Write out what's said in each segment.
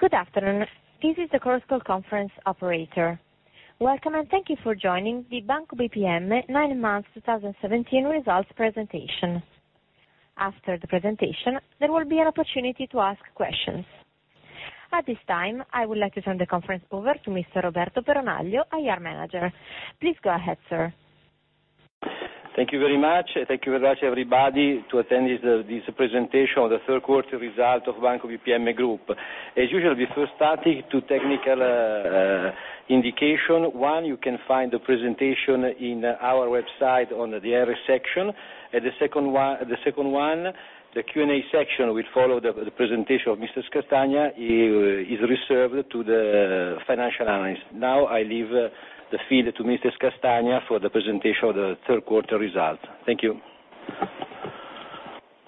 Good afternoon. This is the Chorus Call conference operator. Welcome, and thank you for joining the Banco BPM nine months 2017 results presentation. After the presentation, there will be an opportunity to ask questions. At this time, I would like to turn the conference over to Mr. Roberto Peronaglio, IR Manager. Please go ahead, sir. Thank you very much. Thank you very much, everybody, for attending this presentation of the third quarter results of Banco BPM Group. As usual, before starting, two technical indications. One, you can find the presentation in our website under the IR section. The second one, the Q&A section will follow the presentation of Mr. Castagna. It is reserved to the financial analysts. I leave the feed to Mr. Castagna for the presentation of the third quarter results. Thank you.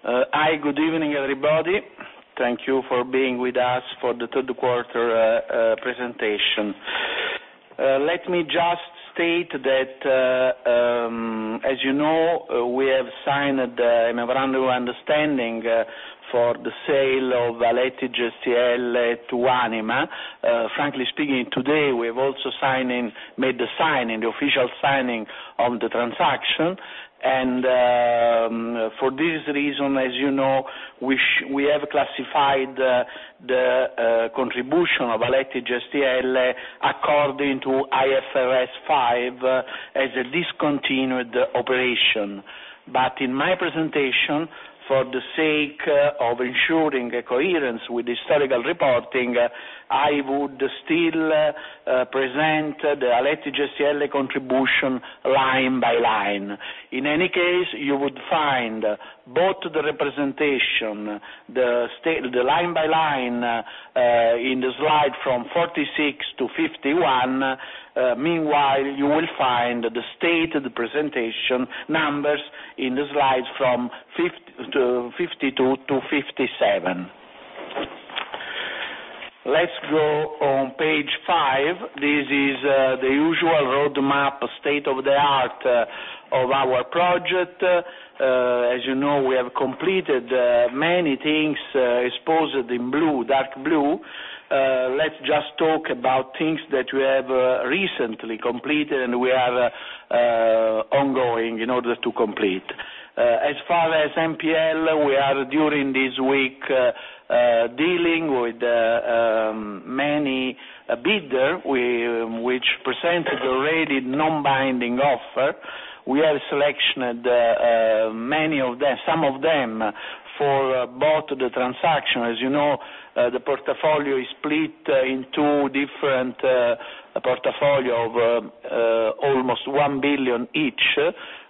Hi. Good evening, everybody. Thank you for being with us for the third quarter presentation. Let me just state that, as you know, we have signed the memorandum of understanding for the sale of Aletti Gestielle to Anima. Frankly speaking, today, we have also made the official signing of the transaction, and for this reason, as you know, we have classified the contribution of Aletti Gestielle according to IFRS 5 as a discontinued operation. In my presentation, for the sake of ensuring coherence with historical reporting, I would still present the Aletti Gestielle contribution line by line. In any case, you would find both the representation, the line by line, in the slides from 46 to 51. Meanwhile, you will find the state presentation numbers in the slides from 52 to 57. Let's go on page five. This is the usual roadmap state of the art of our project. As you know, we have completed many things exposed in dark blue. Let's just talk about things that we have recently completed, and we are ongoing in order to complete. As far as NPL, we are, during this week, dealing with many bidders, which presented a rated non-binding offer. We have selected some of them for both the transaction. As you know, the portfolio is split in two different portfolios of almost 1 billion each,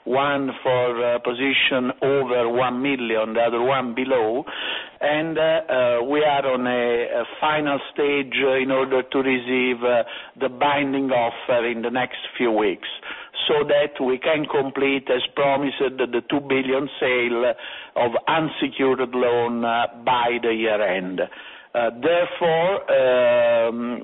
one for positions over 1 million, the other one below. We are on a final stage in order to receive the binding offer in the next few weeks, so that we can complete, as promised, the 2 billion sale of unsecured loans by the year-end. Therefore,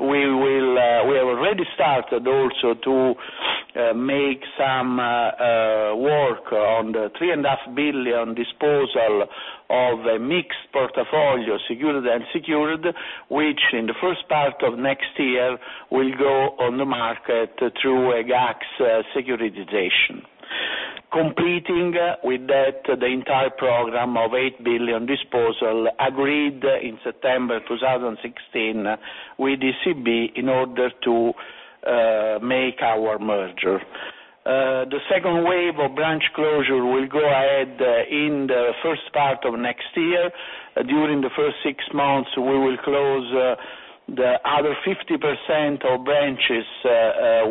we have already started also to make some work on the 3.5 billion disposal of a mixed portfolio, secured unsecured, which in the first part of next year will go on the market through a GACS securitization. Completing with that, the entire program of 8 billion disposal agreed in September 2016 with ECB in order to make our merger. The second wave of branch closure will go ahead in the first part of next year. During the first six months, we will close the other 50% of branches,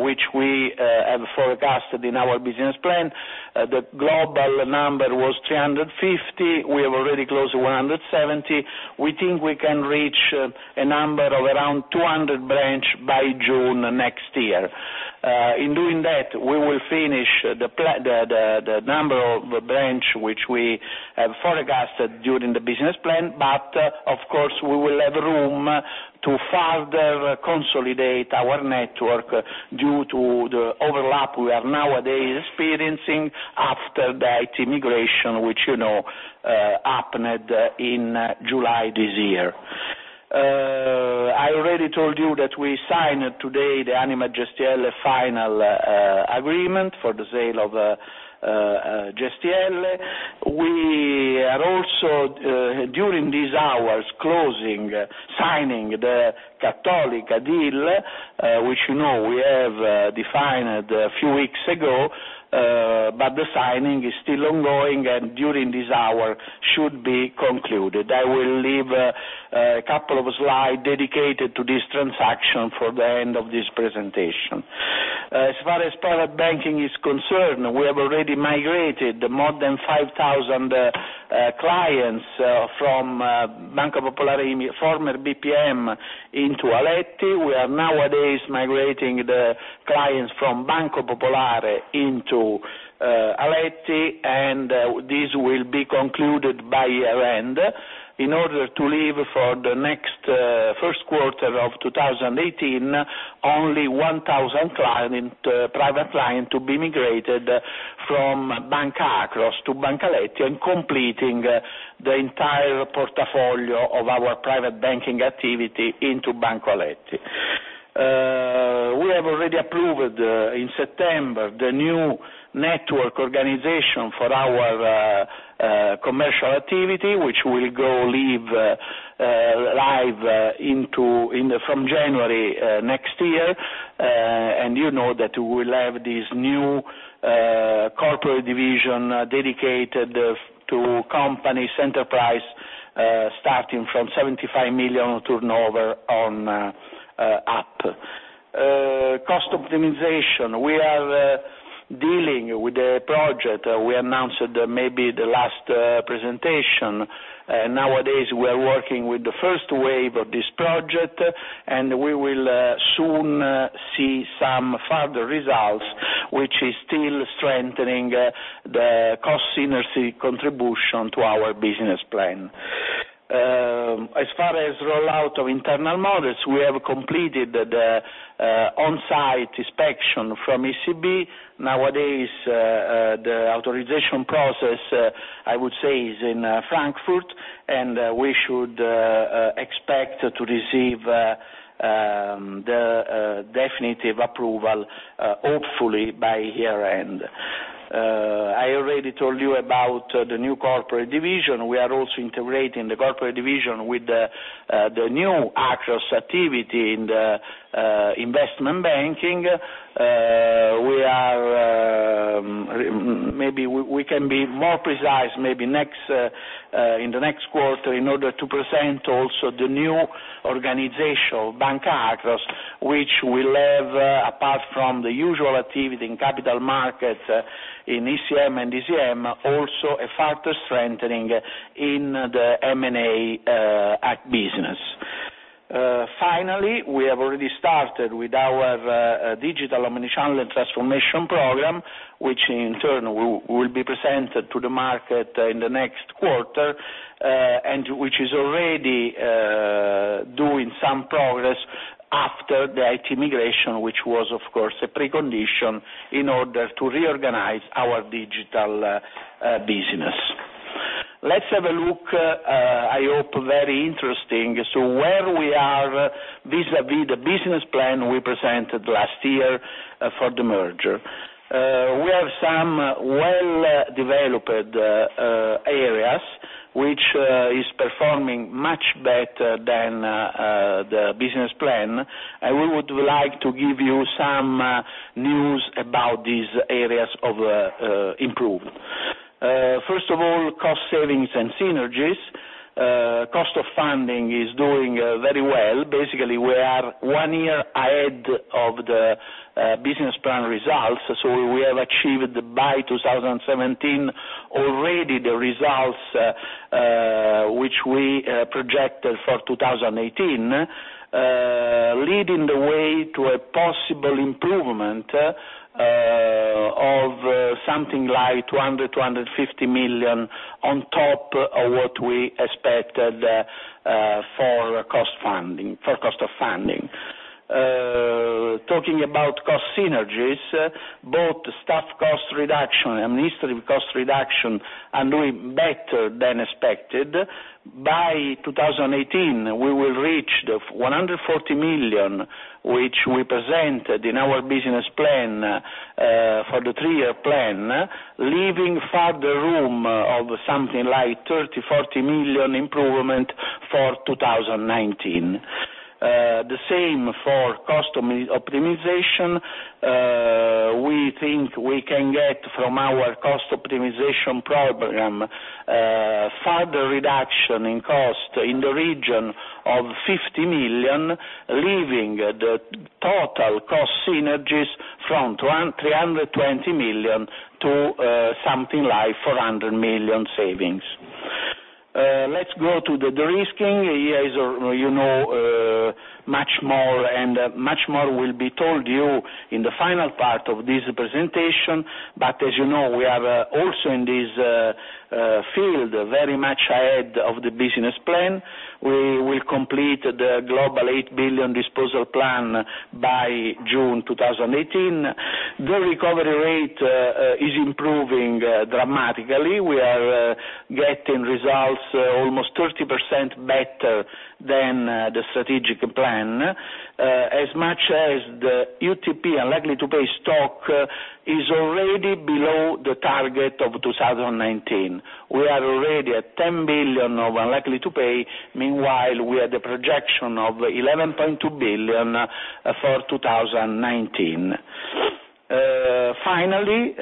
which we have forecasted in our business plan. The global number was 350. We have already closed 170. We think we can reach a number of around 200 branch by June next year. In doing that, we will finish the number of branch which we have forecasted during the business plan. Of course, we will have room to further consolidate our network due to the overlap we are nowadays experiencing after that merger, which happened in July this year. I already told you that we signed today the Anima Gestielle final agreement for the sale of Gestielle. We are also, during these hours, closing, signing the Cattolica deal, which you know we have defined a few weeks ago, but the signing is still ongoing, and during this hour should be concluded. I will leave a couple of slides dedicated to this transaction for the end of this presentation. As far as private banking is concerned, we have already migrated more than 5,000 clients from former BPM into Aletti. We are nowadays migrating the clients from Banco Popolare into Aletti, and this will be concluded by year-end in order to leave for the next first quarter of 2018, only 1,000 private client to be migrated from Banca Akros to Banca Aletti, and completing the entire portfolio of our private banking activity into Banca Aletti. We have already approved, in September, the new network organization for our commercial activity, which will go live from January next year. You know that we will have this new corporate division dedicated to companies, enterprise, starting from 75 million turnover on up. Cost optimization. We are dealing with a project we announced maybe the last presentation. Nowadays, we are working with the first wave of this project, and we will soon see some further results, which is still strengthening the cost synergy contribution to our business plan. As far as rollout of internal models, we have completed the on-site inspection from ECB. Nowadays, the authorization process, I would say, is in Frankfurt, and we should expect to receive the definitive approval, hopefully, by year-end. I already told you about the new corporate division. We are also integrating the corporate division with the new Akros activity in the investment banking. Maybe we can be more precise maybe in the next quarter in order to present also the new organization of Banca Akros, which will have, apart from the usual activity in capital markets, in ECM and DCM, also a further strengthening in the M&A business. Finally, we have already started with our digital omni-channel transformation program, which in turn, will be presented to the market in the next quarter, and which is already doing some progress after the IT migration, which was, of course, a precondition in order to reorganize our digital business. Let's have a look, I hope, very interesting. Where we are vis-a-vis the business plan we presented last year for the merger. We have some well-developed areas, which is performing much better than the business plan. We would like to give you some news about these areas of improvement. First of all, cost savings and synergies. Cost of funding is doing very well. Basically, we are one year ahead of the business plan results, so we have achieved by 2017 already the results which we projected for 2018, leading the way to a possible improvement of something like 200 million-250 million on top of what we expected for cost of funding. Talking about cost synergies, both staff cost reduction, administrative cost reduction are doing better than expected. By 2018, we will reach the 140 million, which we presented in our business plan for the three-year plan, leaving further room of something like 30 million-40 million improvement for 2019. The same for cost optimization. We think we can get from our cost optimization program a further reduction in cost in the region of 50 million, leaving the total cost synergies from 320 million to something like 400 million savings. Let's go to the de-risking. Here, as you know, much more will be told you in the final part of this presentation. As you know, we are also in this field, very much ahead of the business plan. We will complete the global 8 billion disposal plan by June 2018. The recovery rate is improving dramatically. We are getting results almost 30% better than the strategic plan. As much as the UTP, unlikely to pay stock, is already below the target of 2019. We are already at 10 billion of unlikely to pay. Meanwhile, we have the projection of 11.2 billion for 2019. Finally,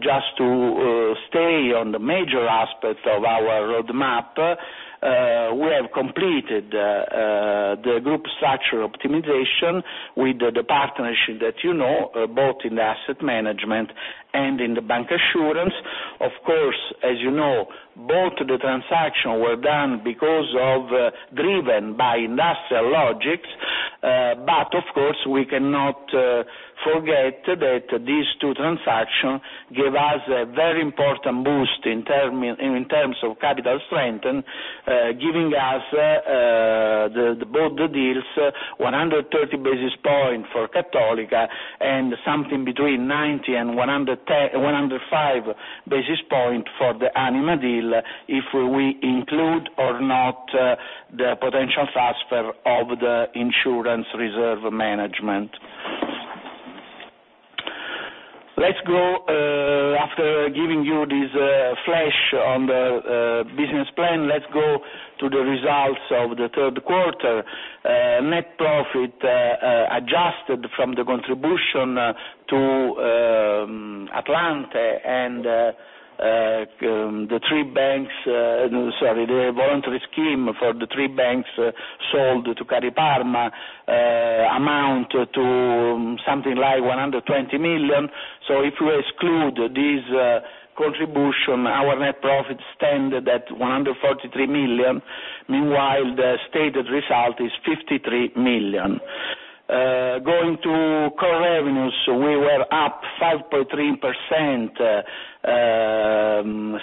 just to stay on the major aspects of our roadmap, we have completed the group structure optimization with the partnership that you know, both in the asset management and in the bancassurance. Of course, as you know, both the transaction were done because of driven by industrial logics. Of course, we cannot forget that these two transactions give us a very important boost in terms of capital strength, giving us The both deals, 130 basis point for Cattolica, and something between 90 and 105 basis point for the Anima deal, if we include or not the potential transfer of the insurance reserve management. After giving you this flash on the business plan, let's go to the results of the third quarter. Net profit, adjusted from the contribution to Atlante and the voluntary scheme for the three banks sold to CariParma amount to something like 120 million. If we exclude this contribution, our net profit stand at 143 million. Meanwhile, the stated result is 53 million. Going to core revenues, we were up 5.3%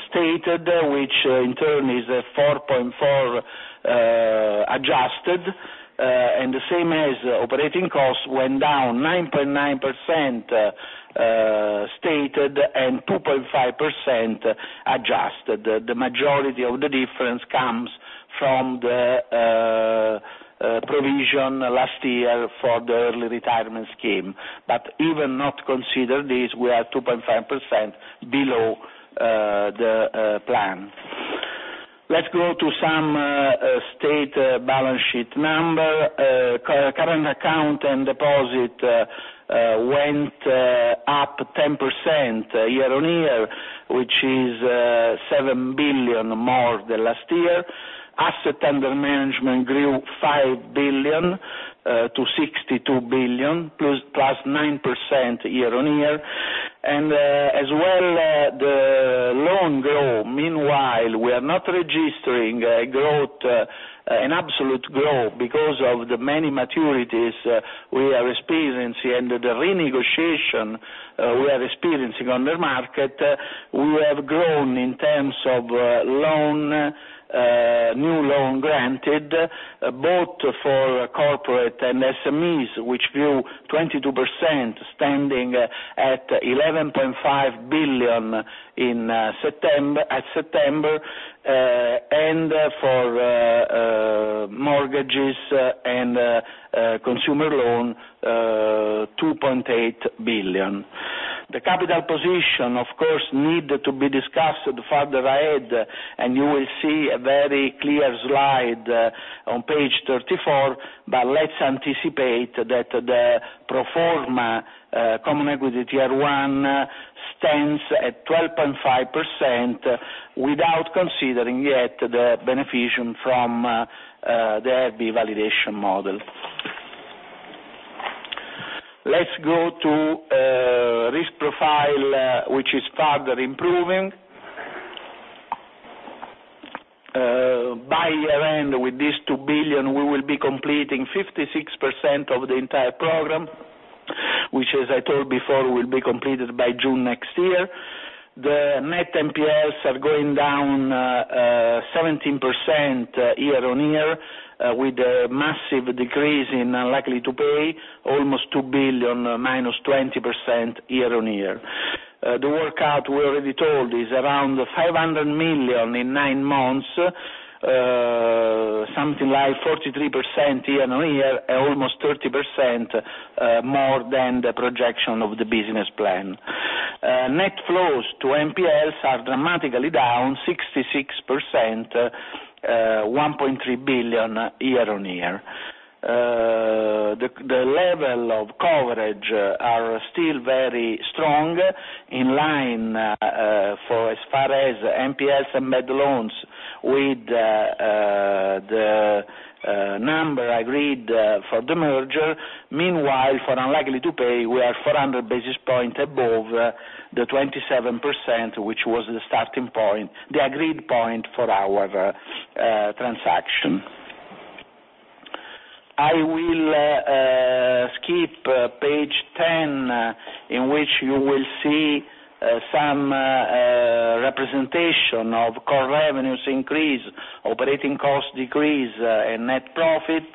stated, which in turn is 4.4% adjusted, and the same as operating costs went down 9.9% stated and 2.5% adjusted. The majority of the difference comes from the provision last year for the early retirement scheme. Even not consider this, we are 2.5% below the plan. Let's go to some state balance sheet number. Current account and deposit went up 10% year-over-year, which is 7 billion more than last year. Asset under management grew 5 billion to 62 billion, plus 9% year-over-year. As well the loan growth. Meanwhile, we are not registering an absolute growth because of the many maturities we are experiencing and the renegotiation we are experiencing on the market. We have grown in terms of new loan granted, both for corporate and SMEs, which grew 22%, standing at 11.5 billion at September, and for mortgages and consumer loan, 2.8 billion. The capital position, of course, need to be discussed further ahead. You will see a very clear slide on page 34. Let's anticipate that the pro forma common equity Tier 1 stands at 12.5%, without considering yet the benefit from the IRB validation model. Let's go to risk profile, which is further improving. By year-end, with this 2 billion, we will be completing 56% of the entire program, which as I told before, will be completed by June next year. The net NPLs are going down 17% year-over-year, with a massive decrease in unlikely to pay, almost 2 billion, -20% year-over-year. The workout we already told is around 500 million in nine months, something like 43% year-over-year, almost 30% more than the projection of the business plan. Net flows to NPLs are dramatically down 66%, 1.3 billion year-over-year. The level of coverage are still very strong, in line for as far as NPLs and made loans with the number agreed for the merger. Meanwhile, for unlikely to pay, we are 400 basis point above the 27%, which was the starting point, the agreed point for our transaction. I will skip page 10, in which you will see some representation of core revenues increase, operating cost decrease, net profit,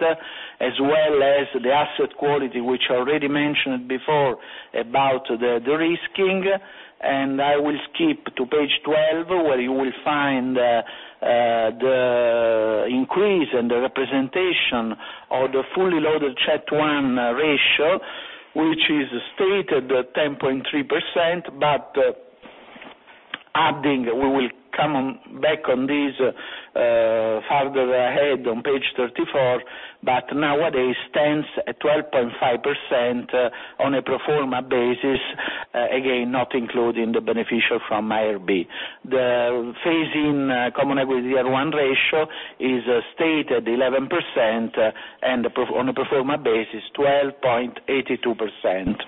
as well as the asset quality, which I already mentioned before about the de-risking. I will skip to page 12, where you will find the increase and the representation of the fully loaded CET 1 ratio, which is stated 10.3%. Adding, we will come back on this further ahead on page 34. Nowadays stands at 12.5% on a pro forma basis, again, not including the benefit from IRB. The phase-in common equity Tier 1 ratio is stated 11%. On a pro forma basis, 12.82%.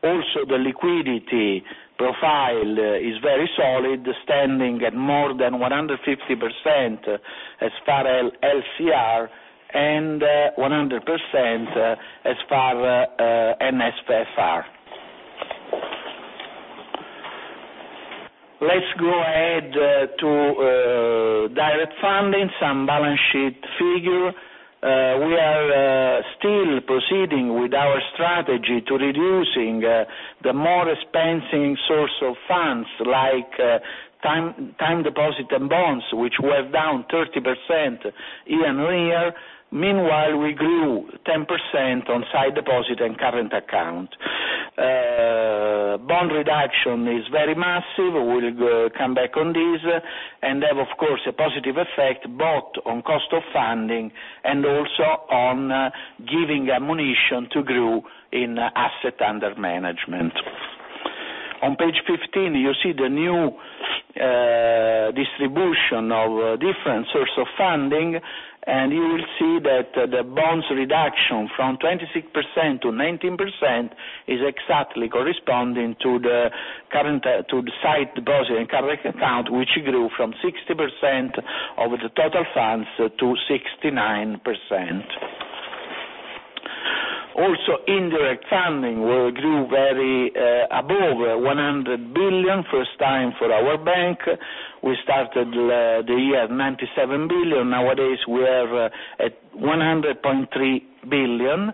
The liquidity profile is very solid, standing at more than 150% as far LCR. 100% as far NSFR. To direct funding, some balance sheet figure. We are still proceeding with our strategy to reducing the more expensive source of funds like time deposit and bonds, which were down 30% year-over-year. Meanwhile, we grew 10% on sight deposit and current account. Bond reduction is very massive. We will come back on this, have, of course, a positive effect both on cost of funding and also on giving ammunition to grow in asset under management. On page 15, you see the new distribution of different source of funding. You will see that the bonds reduction from 26% to 19% is exactly corresponding to the sight deposit and current account, which grew from 60% of the total funds to 69%. Indirect funding grew above 100 billion. First time for our bank. We started the year at 97 billion. Nowadays, we are at 100.3 billion,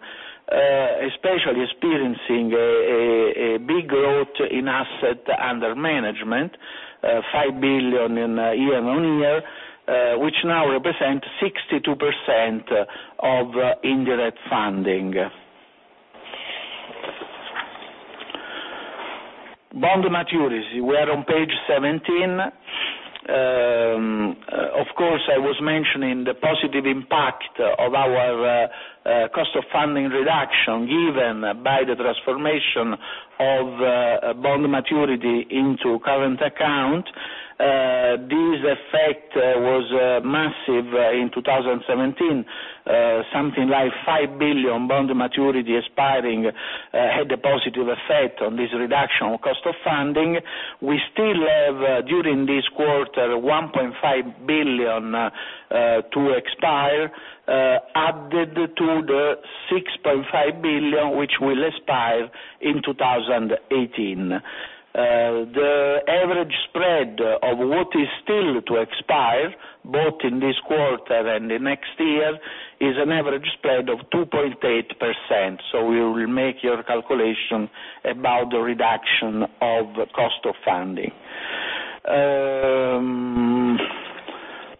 especially experiencing a big growth in asset under management, 5 billion year-on-year, which now represent 62% of indirect funding. Bond maturities. We are on page 17. Of course, I was mentioning the positive impact of our cost of funding reduction given by the transformation of bond maturity into current account. This effect was massive in 2017. Something like 5 billion bond maturity expiring had a positive effect on this reduction of cost of funding. We still have, during this quarter, 1.5 billion to expire, added to the 6.5 billion which will expire in 2018. The average spread of what is still to expire, both in this quarter and the next year, is an average spread of 2.8%. You will make your calculation about the reduction of cost of funding.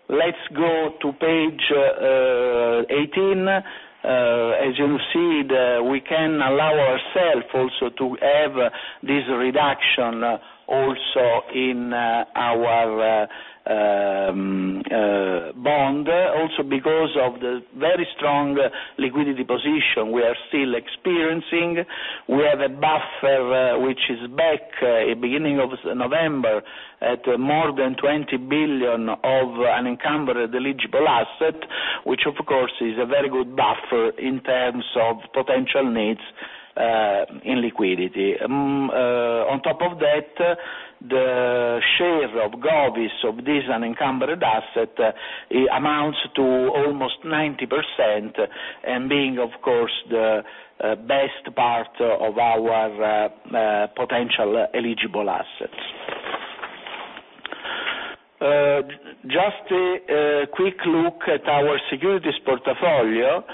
Let's go to page 18. As you see, we can allow ourself also to have this reduction also in our bond, also because of the very strong liquidity position we are still experiencing. We have a buffer which is back at beginning of November at more than 20 billion of unencumbered eligible asset, which of course is a very good buffer in terms of potential needs in liquidity. On top of that, the share of GOVs of this unencumbered asset amounts to almost 90%, being, of course, the best part of our potential eligible assets. Just a quick look at our securities portfolio.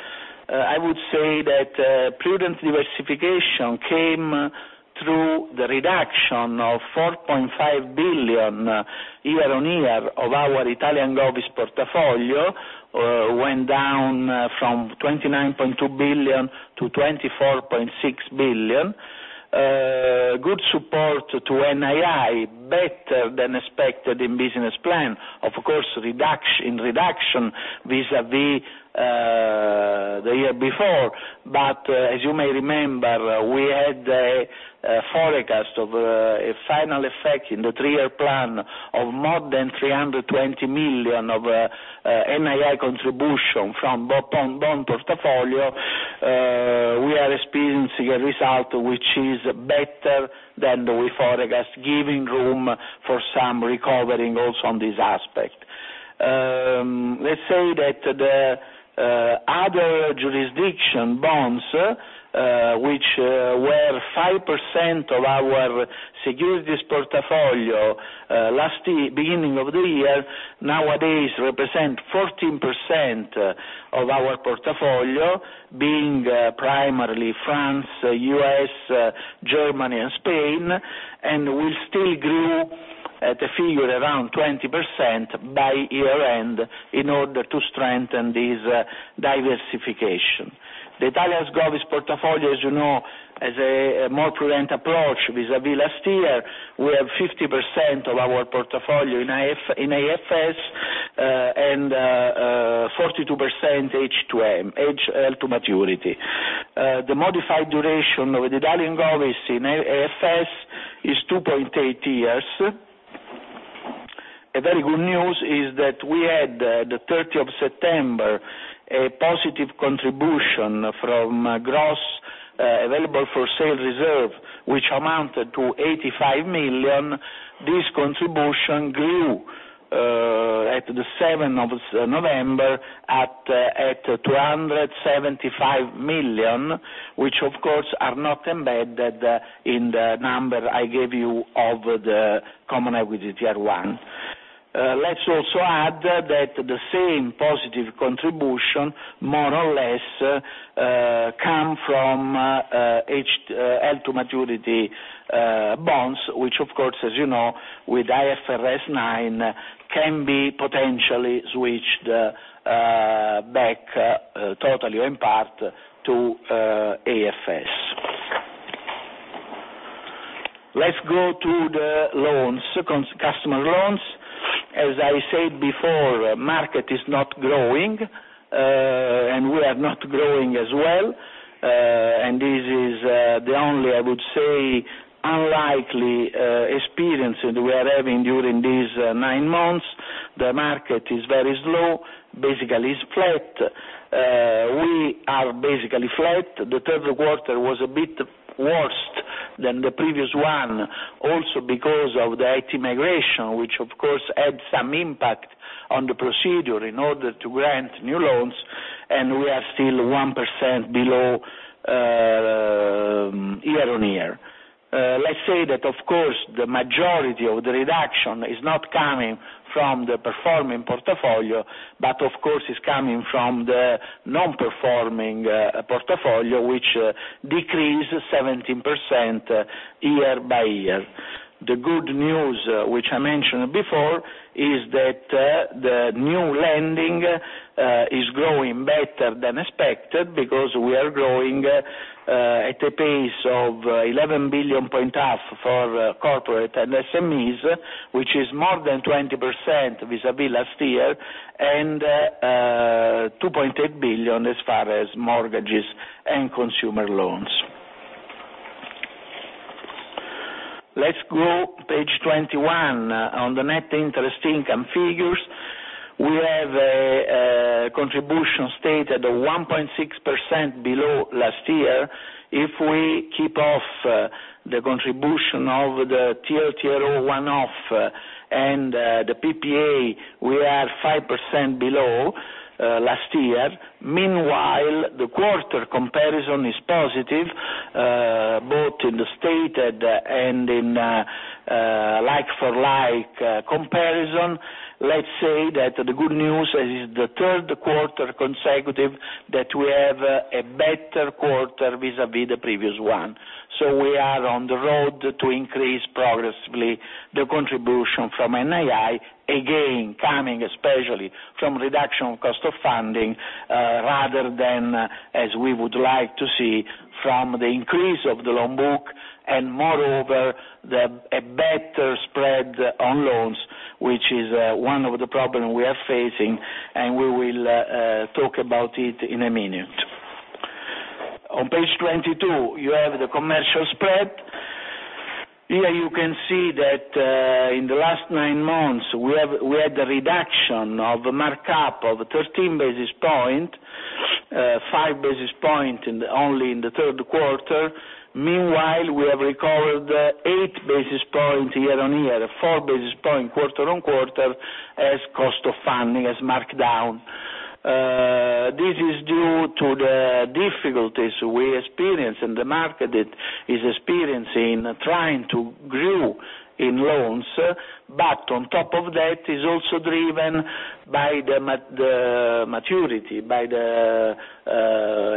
I would say that prudent diversification came through the reduction of 4.5 billion year-on-year of our Italian GOVs portfolio, went down from 29.2 billion to 24.6 billion. Good support to NII, better than expected in business plan. Of course, in reduction vis-à-vis the year before. As you may remember, we had a forecast of a final effect in the three-year plan of more than 320 million of NII contribution from bond portfolio. We are experiencing a result which is better than we forecast, giving room for some recovering also on this aspect. Let's say that the other jurisdiction bonds, which were 5% of our securities portfolio beginning of the year, nowadays represent 14% of our portfolio, being primarily France, U.S., Germany, and Spain. Will still grow at a figure around 20% by year-end in order to strengthen this diversification. The Italian GOVs portfolio, as you know, has a more prudent approach vis-à-vis last year. We have 50% of our portfolio in AFS and 42% held to maturity. The modified duration of the Italian GOVs in AFS is 2.8 years. A very good news is that we had, the 30th of September, a positive contribution from gross available for sale reserve, which amounted to 85 million. This contribution grew at the 7th of November, at 275 million, which of course are not embedded in the number I gave you of the common equity Tier 1. Let's also add that the same positive contribution, more or less, come from held to maturity bonds, which of course, as you know, with IFRS 9, can be potentially switched back totally or in part to AFS. Let's go to the loans. Customer loans. As I said before, market is not growing. We are not growing as well. This is the only, I would say, unlikely experience that we are having during these nine months. The market is very slow, basically is flat. We are basically flat. The third quarter was a bit worse than the previous one, also because of the IT migration, which of course had some impact on the procedure in order to grant new loans, and we are still 1% below year-on-year. Let's say that, of course, the majority of the reduction is not coming from the performing portfolio, but of course, is coming from the non-performing portfolio, which decreased 17% year-over-year. The good news, which I mentioned before, is that the new lending is growing better than expected because we are growing at a pace of 11.5 billion for corporate and SMEs, which is more than 20% vis-à-vis last year, and 2.8 billion as far as mortgages and consumer loans. Let's go page 21. On the net interest income figures, we have a contribution stated of 1.6% below last year. If we keep off the contribution of the TLTRO one-off and the PPA, we are 5% below last year. Meanwhile, the quarter comparison is positive, both in the stated and in like-for-like comparison. Let's say that the good news is the third quarter consecutive that we have a better quarter vis-à-vis the previous one. We are on the road to increase progressively the contribution from NII, again, coming especially from reduction cost of funding rather than, as we would like to see, from the increase of the loan book and moreover, a better spread on loans, which is one of the problem we are facing, and we will talk about it in a minute. On page 22, you have the commercial spread. Here you can see that in the last nine months we had a reduction of mark-up of 13 basis points, 5 basis points only in the third quarter. Meanwhile, we have recovered 8 basis points year-on-year, 4 basis points quarter-on-quarter as cost of funding, as mark-down. This is due to the difficulties we experience. The market is experiencing, trying to grow in loans. On top of that, is also driven by the maturity, by the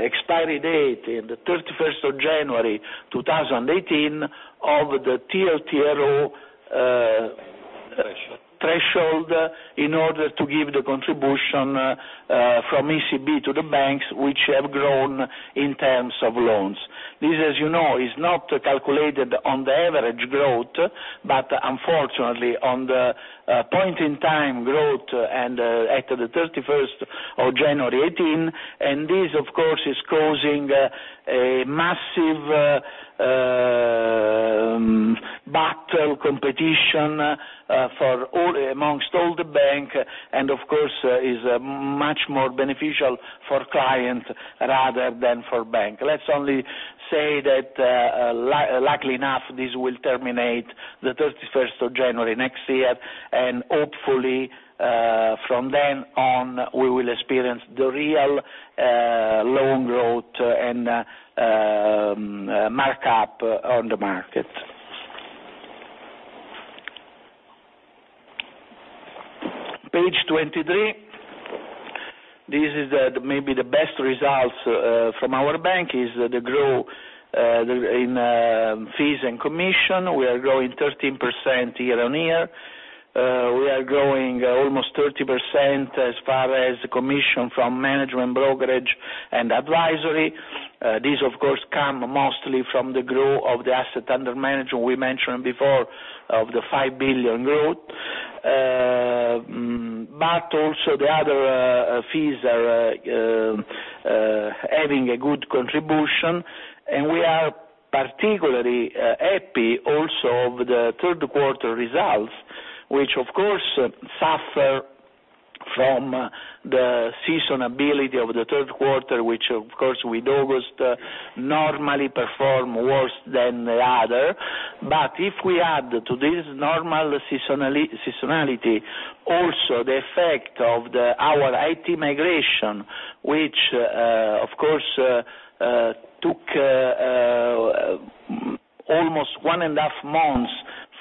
expiry date in the 31st of January 2018 of the TLTRO threshold, in order to give the contribution from ECB to the banks, which have grown in terms of loans. This, as you know, is not calculated on the average growth, but unfortunately on the point-in-time growth and at the 31st of January 2018. This, of course, is causing a massive battle, competition amongst all the bank. Of course, is much more beneficial for client rather than for bank. Let's only say that luckily enough, this will terminate the 31st of January next year. Hopefully from then on, we will experience the real loan growth and mark-up on the market. Page 23. This is maybe the best results from our bank is the growth in fees and commission. We are growing 13% year-on-year. We are growing almost 30% as far as commission from management, brokerage, and advisory. These, of course, come mostly from the growth of the asset under management we mentioned before of the 5 billion growth. Also the other fees are having a good contribution, and we are particularly happy also of the third quarter results, which of course suffer from the seasonality of the third quarter, which of course with August normally perform worse than the other. If we add to this normal seasonality, also the effect of our IT migration, which, of course, took almost one and a half months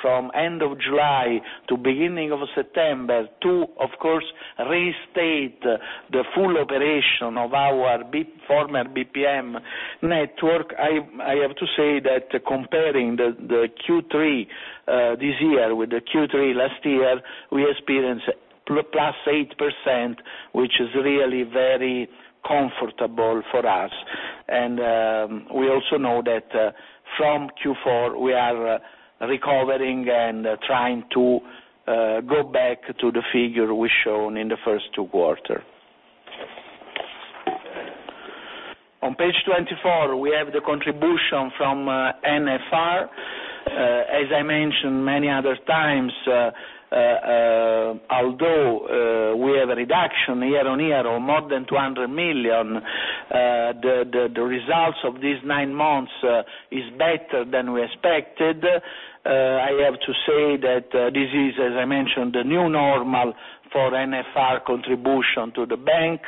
from end of July to beginning of September to, of course, restate the full operation of our former BPM network. I have to say that comparing the Q3 this year with the Q3 last year, we experienced +8%, which is really very comfortable for us. We also know that from Q4 we are recovering and trying to go back to the figure we've shown in the first two quarters. On page 24, we have the contribution from NFR. As I mentioned many other times, although we have a reduction year-on-year of more than 200 million, the results of these nine months is better than we expected. I have to say that this is, as I mentioned, the new normal for NFR contribution to the bank.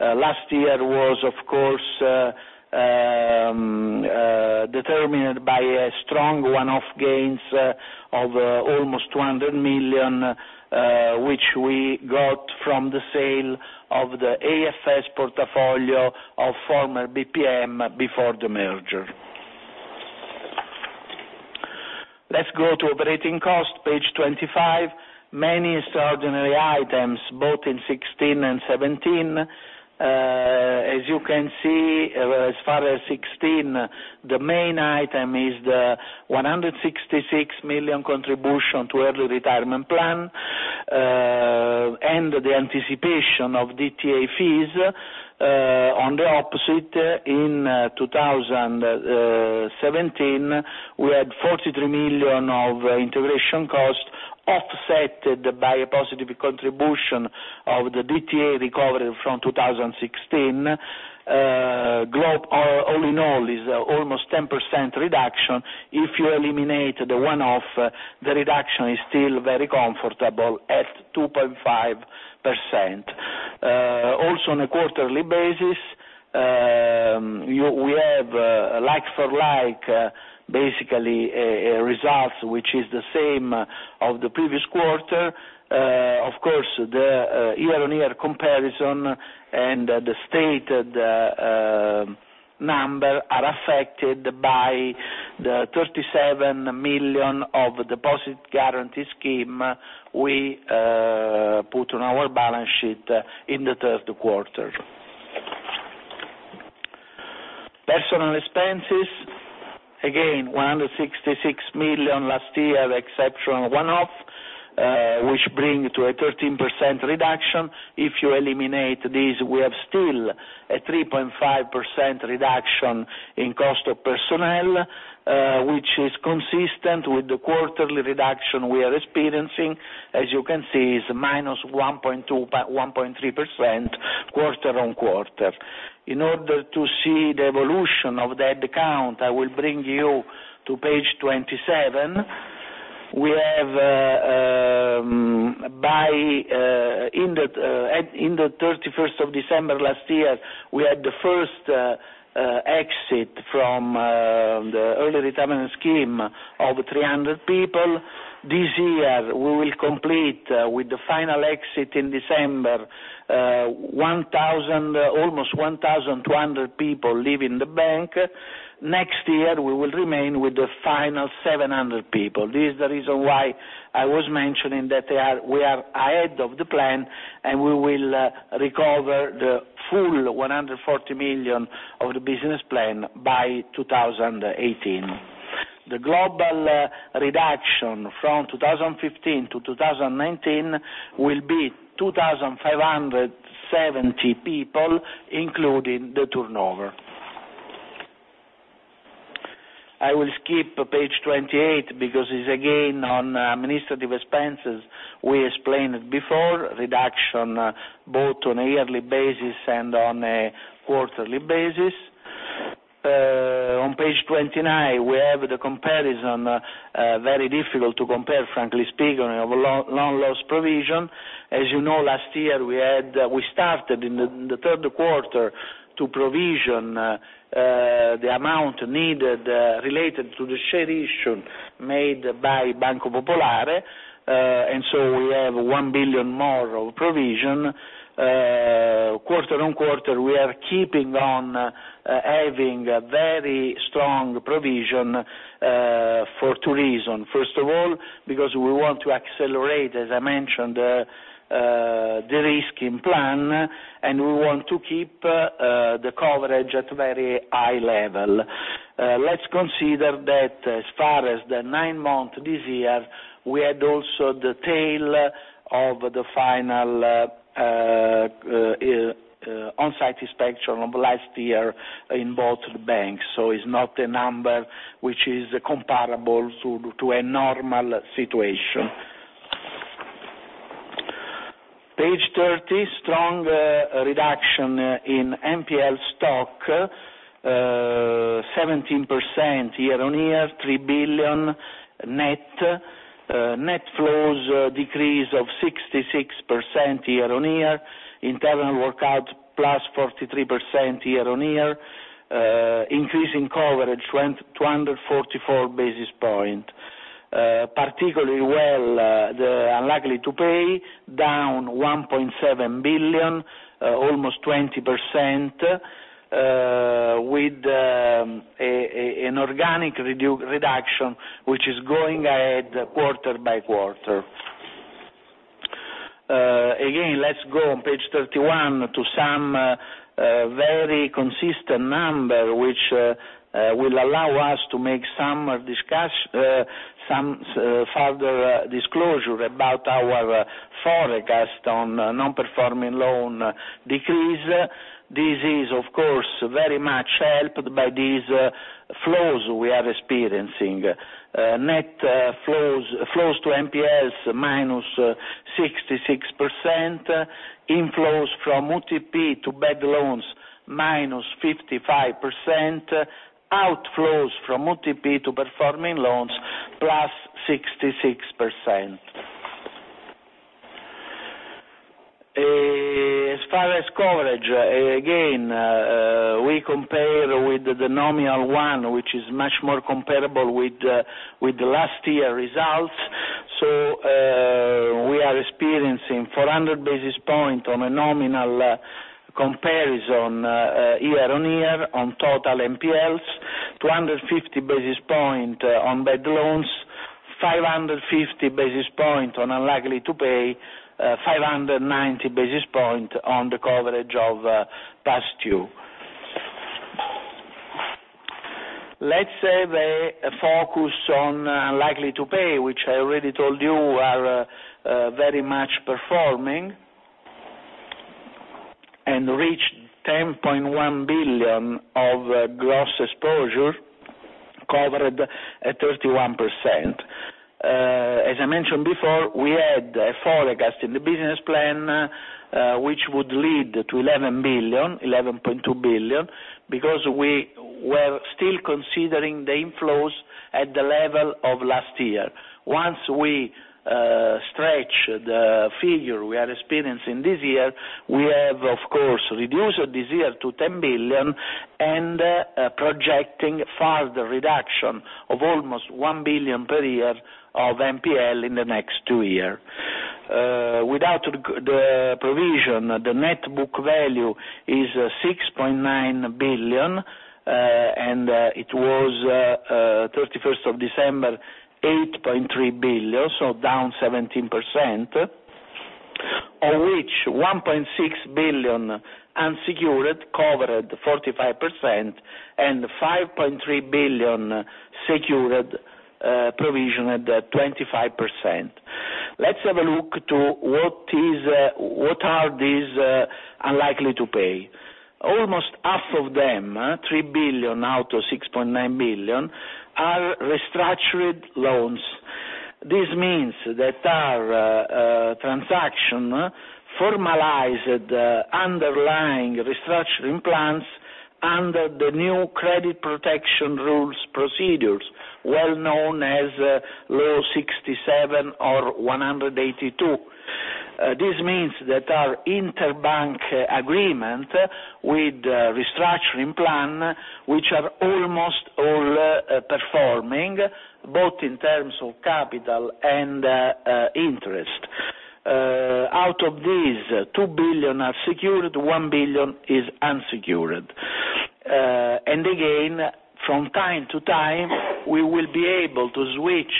Last year was, of course, determined by a strong one-off gains of almost 200 million, which we got from the sale of the AFS portfolio of former BPM before the merger. Let's go to operating costs, page 25. Many extraordinary items, both in 2016 and 2017. As you can see, as far as 2016, the main item is the 166 million contribution to early retirement plan, and the anticipation of DTA fees. On the opposite, in 2017, we had 43 million of integration cost offset by a positive contribution of the DTA recovery from 2016. All in all, is almost 10% reduction. If you eliminate the one-off, the reduction is still very comfortable at 2.5%. Also on a quarterly basis, we have like-for-like, basically a result which is the same of the previous quarter. Of course, the year-on-year comparison and the stated number are affected by the 37 million of deposit guarantee scheme we put on our balance sheet in the third quarter. Personnel expenses, again, 166 million last year, exceptional one-off, which bring to a 13% reduction. If you eliminate this, we have still a 3.5% reduction in cost of personnel, which is consistent with the quarterly reduction we are experiencing. As you can see, it is -1.3% quarter-on-quarter. In order to see the evolution of that account, I will bring you to page 27. In the 31st of December last year, we had the first exit from the early retirement scheme of 300 people. This year, we will complete with the final exit in December, almost 1,200 people leaving the bank. Next year, we will remain with the final 700 people. This is the reason why I was mentioning that we are ahead of the plan, we will recover the full 140 million of the business plan by 2018. The global reduction from 2015 to 2019 will be 2,570 people, including the turnover. I will skip page 28 because it is again on administrative expenses. We explained before, reduction both on a yearly basis and on a quarterly basis. On page 29, we have the comparison, very difficult to compare, frankly speaking, of loan loss provision. As you know, last year we started in the third quarter to provision the amount needed, related to the share issue made by Banco Popolare. We have 1 billion more of provision. Quarter-over-quarter, we are keeping on having a very strong provision, for two reasons. First of all, because we want to accelerate, as I mentioned, the de-risking plan, and we want to keep the coverage at very high level. Let's consider that as far as the nine months this year, we had also the tail of the final On-site inspection of last year in both banks. It's not a number which is comparable to a normal situation. Page 30, strong reduction in NPL stock, 17% year-over-year, 3 billion net. Net flows decrease of 66% year-over-year. Internal workout, +43% year-over-year. Increase in coverage, 244 basis points. Particularly well, the Unlikely To Pay, down 1.7 billion, almost 20%, with an organic reduction, which is going ahead quarter-by-quarter. Again, let's go on page 31 to some very consistent numbers, which will allow us to make some further disclosure about our forecast on Non-Performing Loan decrease. This is, of course, very much helped by these flows we are experiencing. Net flows to NPLs, -66%. Inflows from UTP to bad loans, -55%. Outflows from UTP to performing loans, +66%. As far as coverage, again, we compare with the nominal one, which is much more comparable with the last year results. We are experiencing 400 basis points on a nominal comparison year-over-year on total NPLs, 250 basis points on bad loans, 550 basis points on Unlikely To Pay, 590 basis points on the coverage of past due. Let's have a focus on Unlikely To Pay, which I already told you are very much performing, and reach 10.1 billion of gross exposure, covered at 31%. As I mentioned before, we had a forecast in the business plan, which would lead to 11.2 billion, because we were still considering the inflows at the level of last year. Once we stretch the figure we are experiencing this year, we have, of course, reduced this year to 10 billion and projecting further reduction of almost 1 billion per year of NPL in the next two years. Without the provision, the net book value is 6.9 billion, and it was, 31st of December, 8.3 billion, down 17%, of which 1.6 billion unsecured, covered 45%, and 5.3 billion secured, provisioned at 25%. Let's have a look to what are these Unlikely To Pay. Almost half of them, 3 billion out of 6.9 billion, are restructured loans. This means that our transaction formalized underlying restructuring plans under the new credit protection rules procedures, well known as Law 67 or Law 182. This means that our interbank agreement with restructuring plans, which are almost all performing, both in terms of capital and interest. Out of these, 2 billion are secured, 1 billion is unsecured. Again, from time to time, we will be able to switch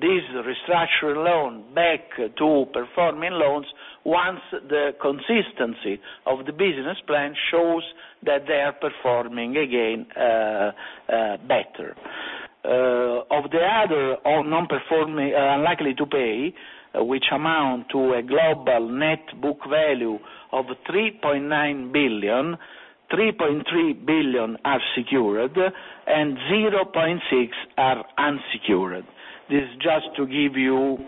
this restructured loan back to performing loans once the consistency of the business plan shows that they are performing again better. Of the other unlikely to pay, which amount to a global net book value of 3.9 billion, 3.3 billion are secured and 0.6 billion are unsecured. This is just to give you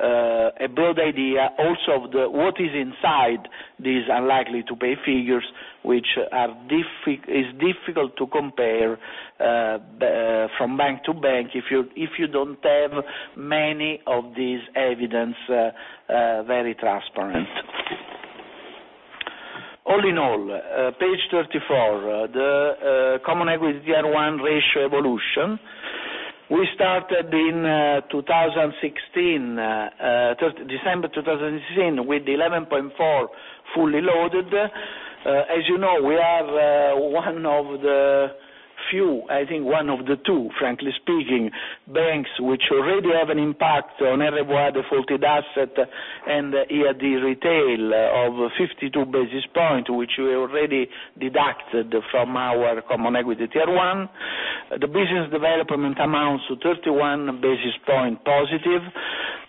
a broad idea also of what is inside these unlikely to pay figures, which is difficult to compare from bank to bank if you don't have many of these evidence very transparent. All in all, page 34, the common equity tier one ratio evolution. We started in December 2016 with 11.4% fully loaded. As you know, we have one of the few, I think one of the two, frankly speaking, banks which already have an impact on RWA defaulted asset and EAD retail of 52 basis points, which we already deducted from our common equity tier one. The business development amounts to 31 basis points positive.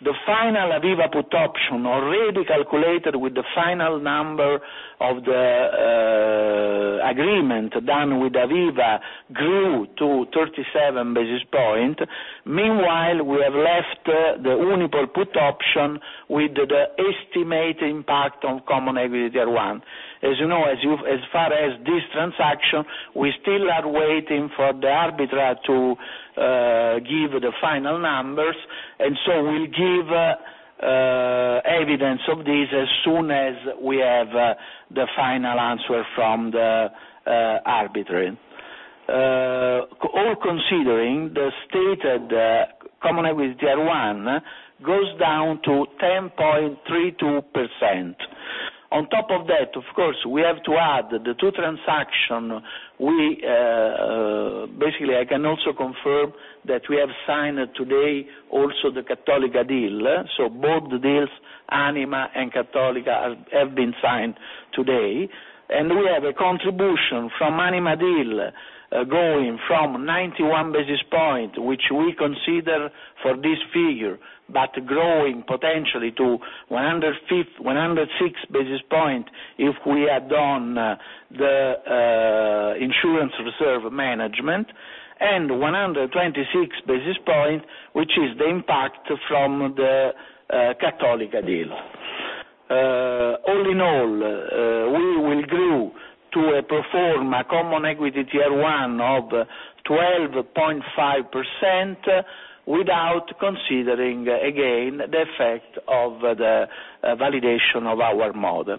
The final Aviva put option, already calculated with the final number of the agreement done with Aviva, grew to 37 basis points. Meanwhile, we have left the Unipol put option with the estimated impact on common equity tier one. As you know, as far as this transaction, we still are waiting for the arbiter to give the final numbers, we'll give evidence of this as soon as we have the final answer from the arbiter. All considering, the stated common equity tier one goes down to 10.32%. On top of that, of course, we have to add the two transactions. Basically, I can also confirm that we have signed today also the Cattolica deal. Both deals, Anima and Cattolica, have been signed today. We have a contribution from Anima deal going from 91 basis points, which we consider for this figure, but growing potentially to 106 basis points if we add on the insurance reserve management, and 126 basis points, which is the impact from the Cattolica deal. All in all, we will grow to perform a common equity tier one of 12.5%, without considering, again, the effect of the validation of our model.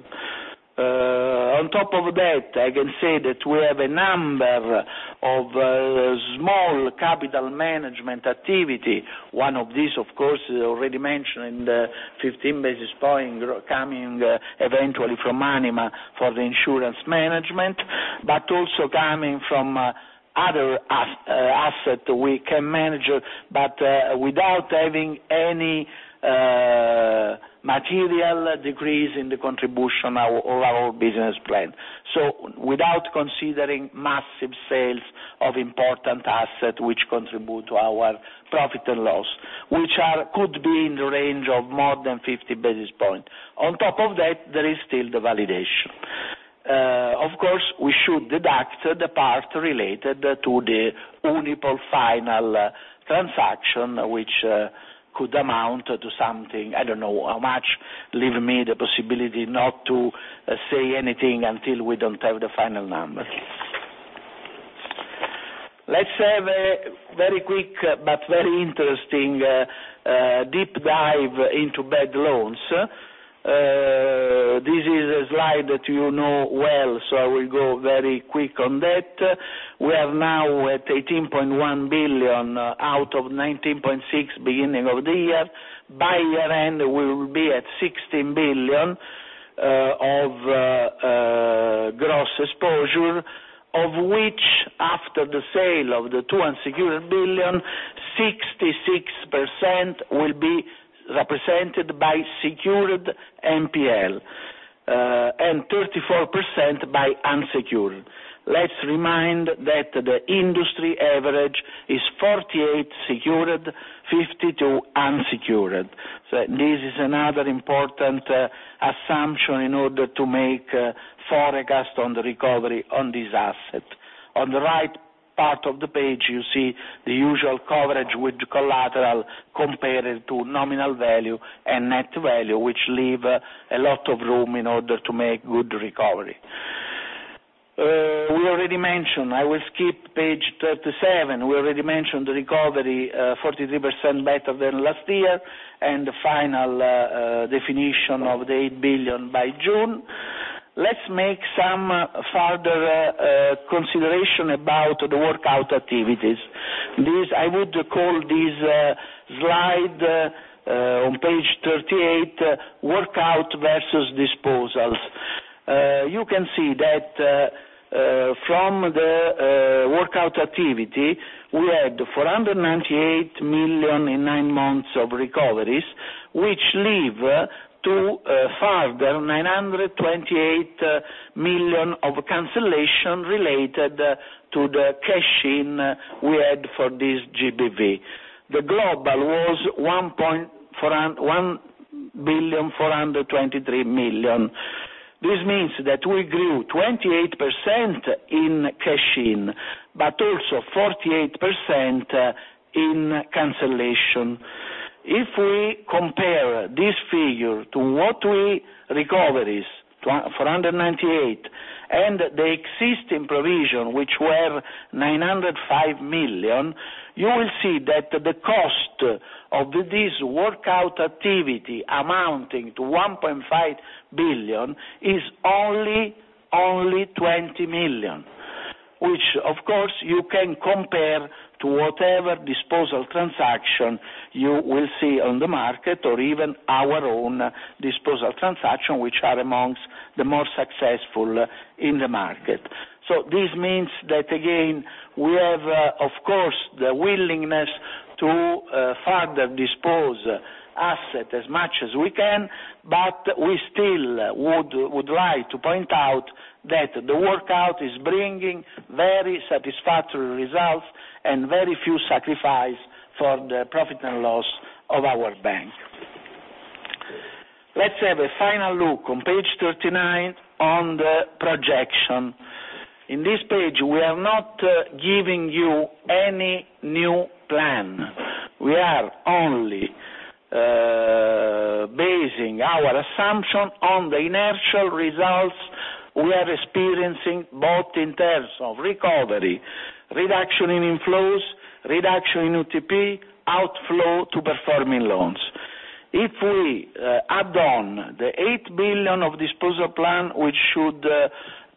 On top of that, I can say that we have a number of small capital management activities. One of these, of course, is already mentioned in the 15 basis points, coming eventually from Anima for the insurance management, but also coming from other assets we can manage, but without having any material decrease in the contribution of our business plan. Without considering massive sales of important assets, which contribute to our profit and loss, which could be in the range of more than 50 basis points. On top of that, there is still the validation. Of course, we should deduct the part related to the Unipol final transaction, which could amount to something, I don't know how much. Leave me the possibility not to say anything until we don't have the final number. Let's have a very quick but very interesting deep dive into bad loans. This is a slide that you know well, I will go very quick on that. We are now at 18.1 billion out of 19.6 billion beginning of the year. By year-end, we will be at 16 billion of gross exposure, of which, after the sale of the two unsecured billion, 66% will be represented by secured NPL, and 34% by unsecured. Let's remind that the industry average is 48% secured, 52% unsecured. This is another important assumption in order to make forecast on the recovery on this asset. On the right part of the page, you see the usual coverage with the collateral compared to nominal value and net value, which leave a lot of room in order to make good recovery. I will skip page 37. We already mentioned the recovery, 43% better than last year, and the final definition of the 8 billion by June. Let's make some further consideration about the workout activities. I would call this slide on page 38, Workout versus Disposals. You can see that from the workout activity, we had 498 million in nine months of recoveries, which leave to further 928 million of cancellation related to the cash-in we had for this GBV. The global was 1,423,000,000. This means that we grew 28% in cash-in, but also 48% in cancellation. If we compare this figure to what we recoveries, 498, and the existing provision, which were 905 million, you will see that the cost of this workout activity amounting to 1.5 billion is only 20 million, which of course you can compare to whatever disposal transaction you will see on the market or even our own disposal transaction, which are amongst the most successful in the market. This means that again, we have, of course, the willingness to further dispose asset as much as we can, but we still would like to point out that the workout is bringing very satisfactory results and very few sacrifice for the profit and loss of our bank. Let's have a final look on page 39 on the projection. In this page, we are not giving you any new plan. We are only basing our assumption on the inertial results we are experiencing, both in terms of recovery, reduction in inflows, reduction in UTP, outflow to performing loans. If we add on the 8 billion of disposal plan, which should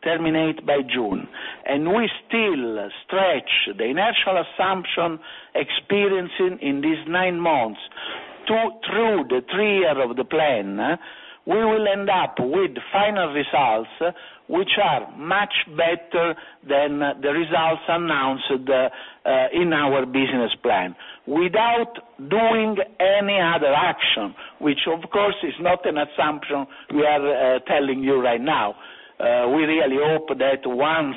terminate by June, and we still stretch the inertial assumption experiencing in these nine months through the three year of the plan, we will end up with final results which are much better than the results announced in our business plan. Without doing any other action, which of course, is not an assumption we are telling you right now. We really hope that once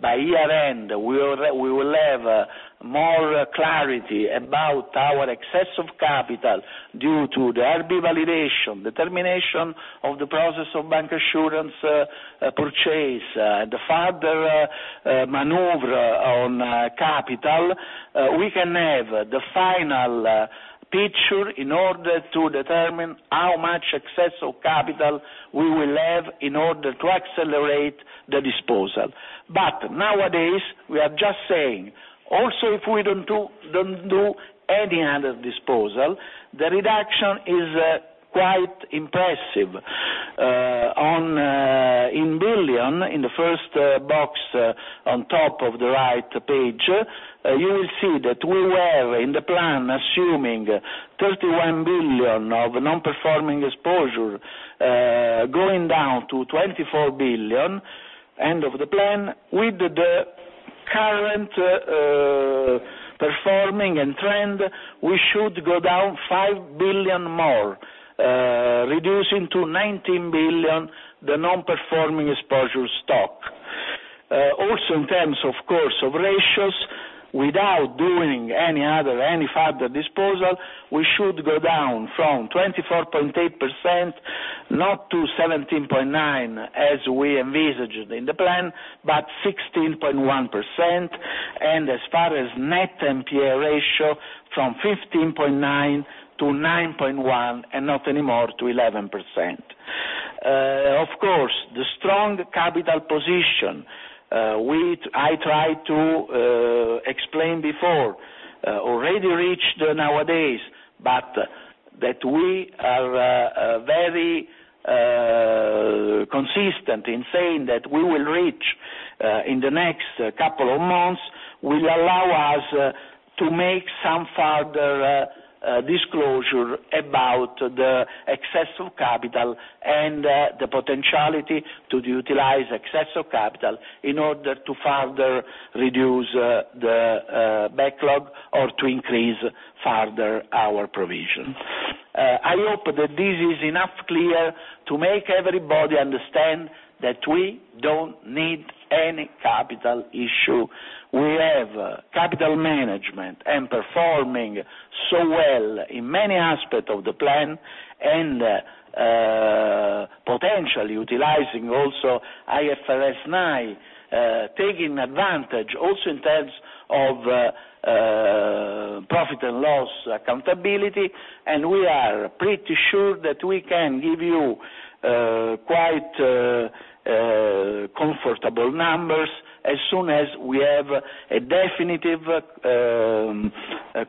by year-end, we will have more clarity about our excess of capital due to the IRB validation, the termination of the process of bancassurance purchase, the further maneuver on capital, we can have the final picture in order to determine how much excess of capital we will have in order to accelerate the disposal. Nowadays, we are just saying, also if we don't do any other disposal, the reduction is quite impressive. In billion, in the first box on top of the right page, you will see that we were in the plan assuming 31 billion of non-performing exposure, going down to 24 billion end of the plan. With the current performing and trend, we should go down 5 billion more, reducing to 19 billion, the non-performing exposure stock. In terms of course of ratios, without doing any further disposal, we should go down from 24.8%, not to 17.9% as we envisaged in the plan, but 16.1%. As far as net NPE ratio, from 15.9% to 9.1%, and not anymore to 11%. The strong capital position, which I tried to explain before, already reached nowadays, but that we are very consistent in saying that we will reach in the next couple of months, will allow us to make some further disclosure about the excess of capital and the potentiality to utilize excess of capital in order to further reduce the backlog or to increase further our provision. I hope that this is enough clear to make everybody understand that we don't need any capital issue. We have capital management and performing so well in many aspects of the plan, and potentially utilizing also IFRS 9, taking advantage also in terms of profit and loss accountability, and we are pretty sure that we can give you quite comfortable numbers as soon as we have a definitive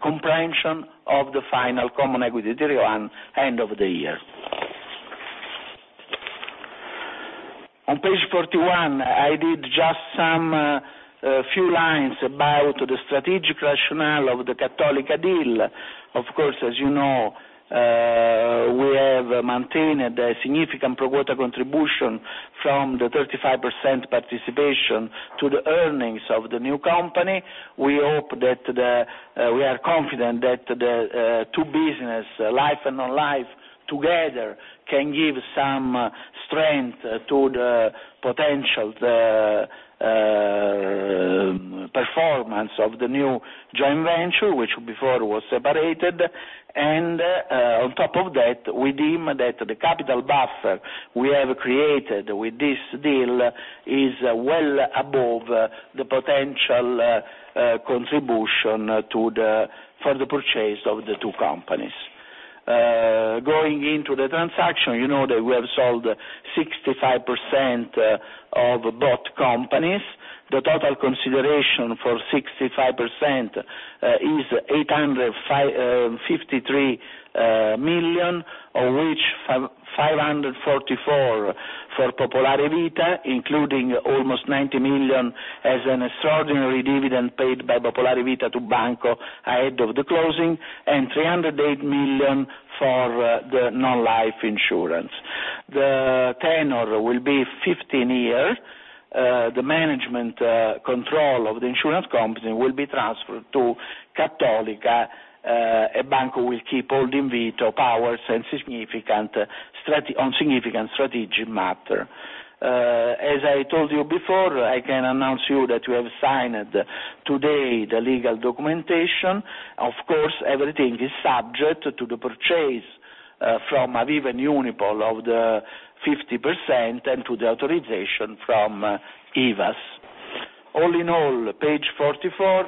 comprehension of the final common equity Tier 1 end of the year. On page 41, I did just some few lines about the strategic rationale of the Cattolica deal. As you know, we have maintained a significant pro-rata contribution from the 35% participation to the earnings of the new company. We are confident that the two business, life and non-life together, can give some strength to the potential performance of the new joint venture, which before was separated. On top of that, we deem that the capital buffer we have created with this deal is well above the potential contribution for the purchase of the two companies. Going into the transaction, you know that we have sold 65% of both companies. The total consideration for 65% is 853 million, of which 544 for Popolare Vita, including almost 90 million as an extraordinary dividend paid by Popolare Vita to Banco ahead of the closing, and 308 million for the non-life insurance. Will be 15 years. The management control of the insurance company will be transferred to Cattolica. Banco will keep holding veto powers on significant strategic matter. As I told you before, I can announce you that we have signed today the legal documentation. Everything is subject to the purchase from Aviva and Unipol of the 50% and to the authorization from IVASS. On page 44,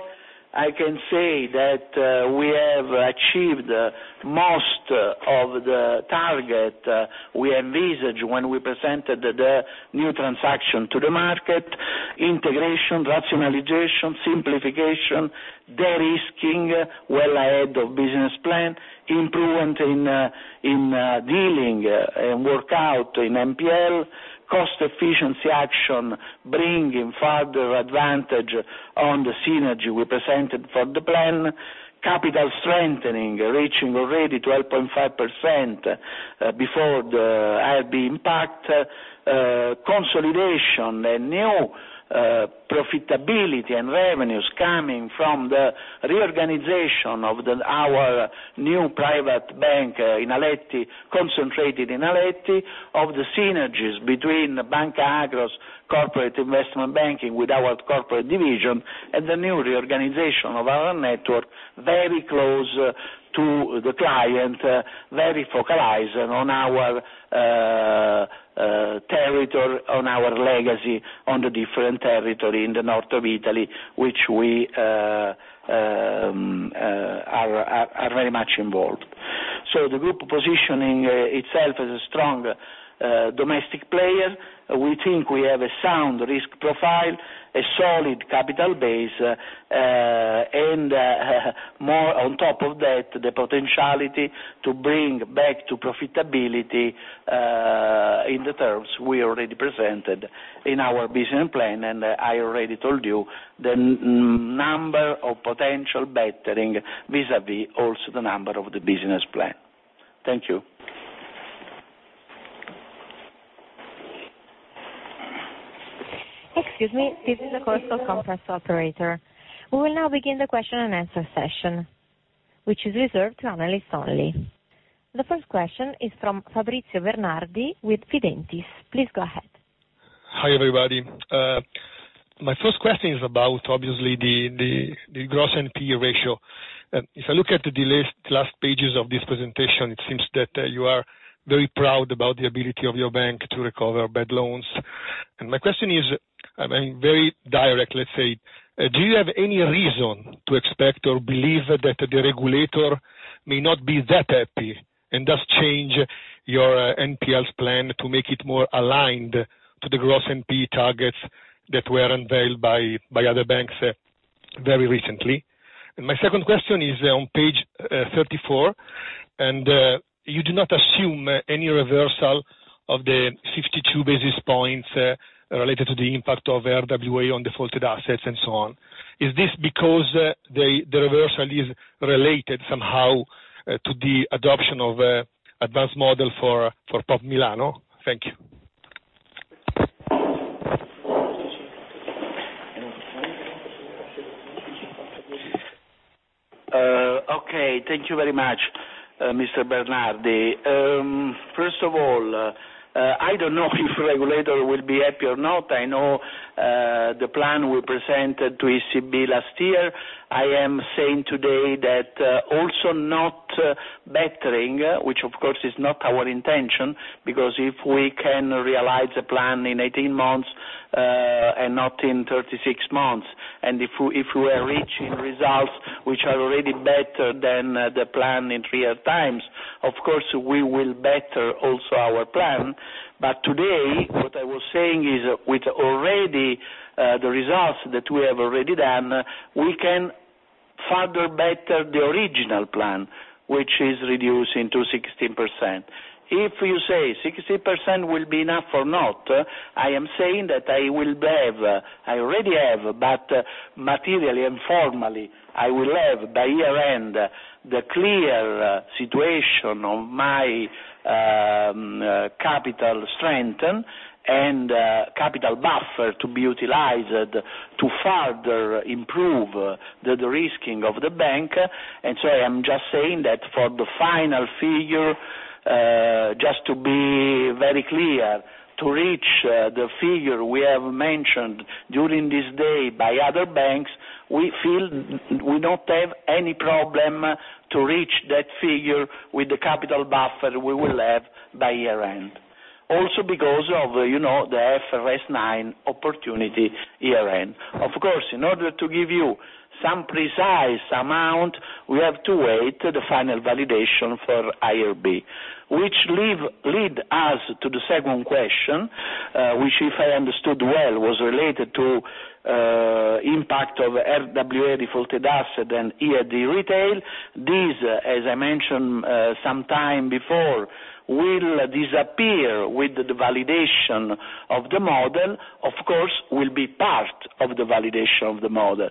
I can say that we have achieved most of the target we envisaged when we presented the new transaction to the market. Integration, rationalization, simplification, de-risking, well ahead of business plan, improvement in dealing and workout in NPL, cost efficiency action, bringing further advantage on the synergy we presented for the plan, capital strengthening, reaching already 12.5% before the IRB impact, consolidation and new profitability and revenues coming from the reorganization of our new private bank concentrated in Aletti, of the synergies between Banca Akros corporate investment banking with our corporate division, and the new reorganization of our network, very close to the client, very focalized on our territory, on our legacy, on the different territory in the north of Italy, which we are very much involved. The group positioning itself as a strong domestic player. We think we have a sound risk profile, a solid capital base, and on top of that, the potentiality to bring back to profitability, in the terms we already presented in our business plan, and I already told you the number of potential bettering vis-à-vis also the number of the business plan. Thank you. Excuse me, this is the Chorus Call conference operator. We will now begin the question and answer session, which is reserved to analysts only. The first question is from Fabrizio Bernardi with Fidentiis. Please go ahead. Hi, everybody. My first question is about obviously the gross NPE ratio. If I look at the last pages of this presentation, it seems that you are very proud about the ability of your bank to recover bad loans. My question is very direct, let's say, do you have any reason to expect or believe that the regulator may not be that happy and thus change your NPLs plan to make it more aligned to the gross NPE targets that were unveiled by other banks very recently? My second question is on page 34, you do not assume any reversal of the 52 basis points related to the impact of RWA on defaulted assets and so on. Is this because the reversal is related somehow to the adoption of advanced model for Pop Milano? Thank you. Okay. Thank you very much, Mr. Bernardi. First of all, I don't know if regulator will be happy or not. I know the plan we presented to ECB last year. I am saying today that also not bettering, which of course is not our intention, because if we can realize a plan in 18 months and not in 36 months, if we are reaching results which are already better than the plan in three times, of course, we will better also our plan. Today, what I was saying is with the results that we have already done, we can further better the original plan, which is reducing to 16%. If you say 16% will be enough or not, I am saying that I already have, but materially and formally, I will have by year-end, the clear situation of my capital strengthen and capital buffer to be utilized to further improve the de-risking of the bank. I'm just saying that for the final figure, just to be very clear, to reach the figure we have mentioned during this day by other banks, we feel we don't have any problem to reach that figure with the capital buffer we will have by year-end. Also because of the IFRS 9 opportunity year-end. Of course, in order to give you some precise amount, we have to wait the final validation for IRB. Which lead us to the second question, which if I understood well, was related to impact of RWA defaulted asset and EAD retail. These, as I mentioned sometime before, will disappear with the validation of the model, of course, will be part of the validation of the model.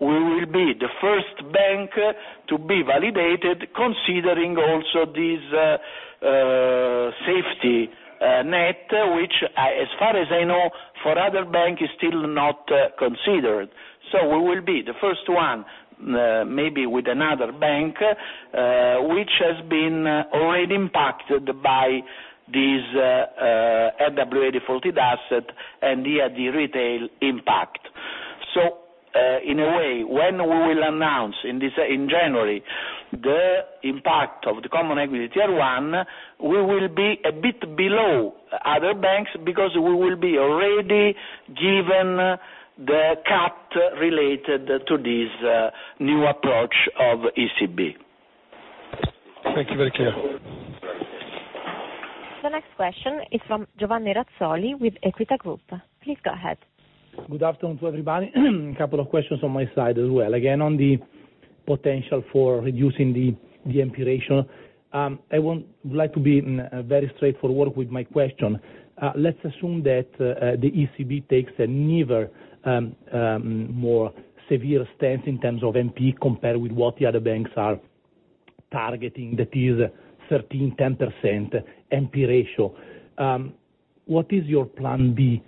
We will be the first bank to be validated considering also this safety net, which as far as I know, for other banks is still not considered. We will be the first one, maybe with another bank, which has been already impacted by this RWA defaulted asset and EAD retail impact. In a way, when we will announce in January, the impact of the common equity tier one, we will be a bit below other banks because we will be already given the cut related to this new approach of ECB. Thank you. Very clear. The next question is from Giovanni Razzoli with Equita Group. Please go ahead. Good afternoon to everybody. A couple of questions on my side as well. Again, on the potential for reducing the NPL ratio. I would like to be very straightforward with my question. Let's assume that the ECB takes a never more severe stance in terms of NPE compared with what the other banks are targeting, that is 13%-10% NPE ratio. What is your plan B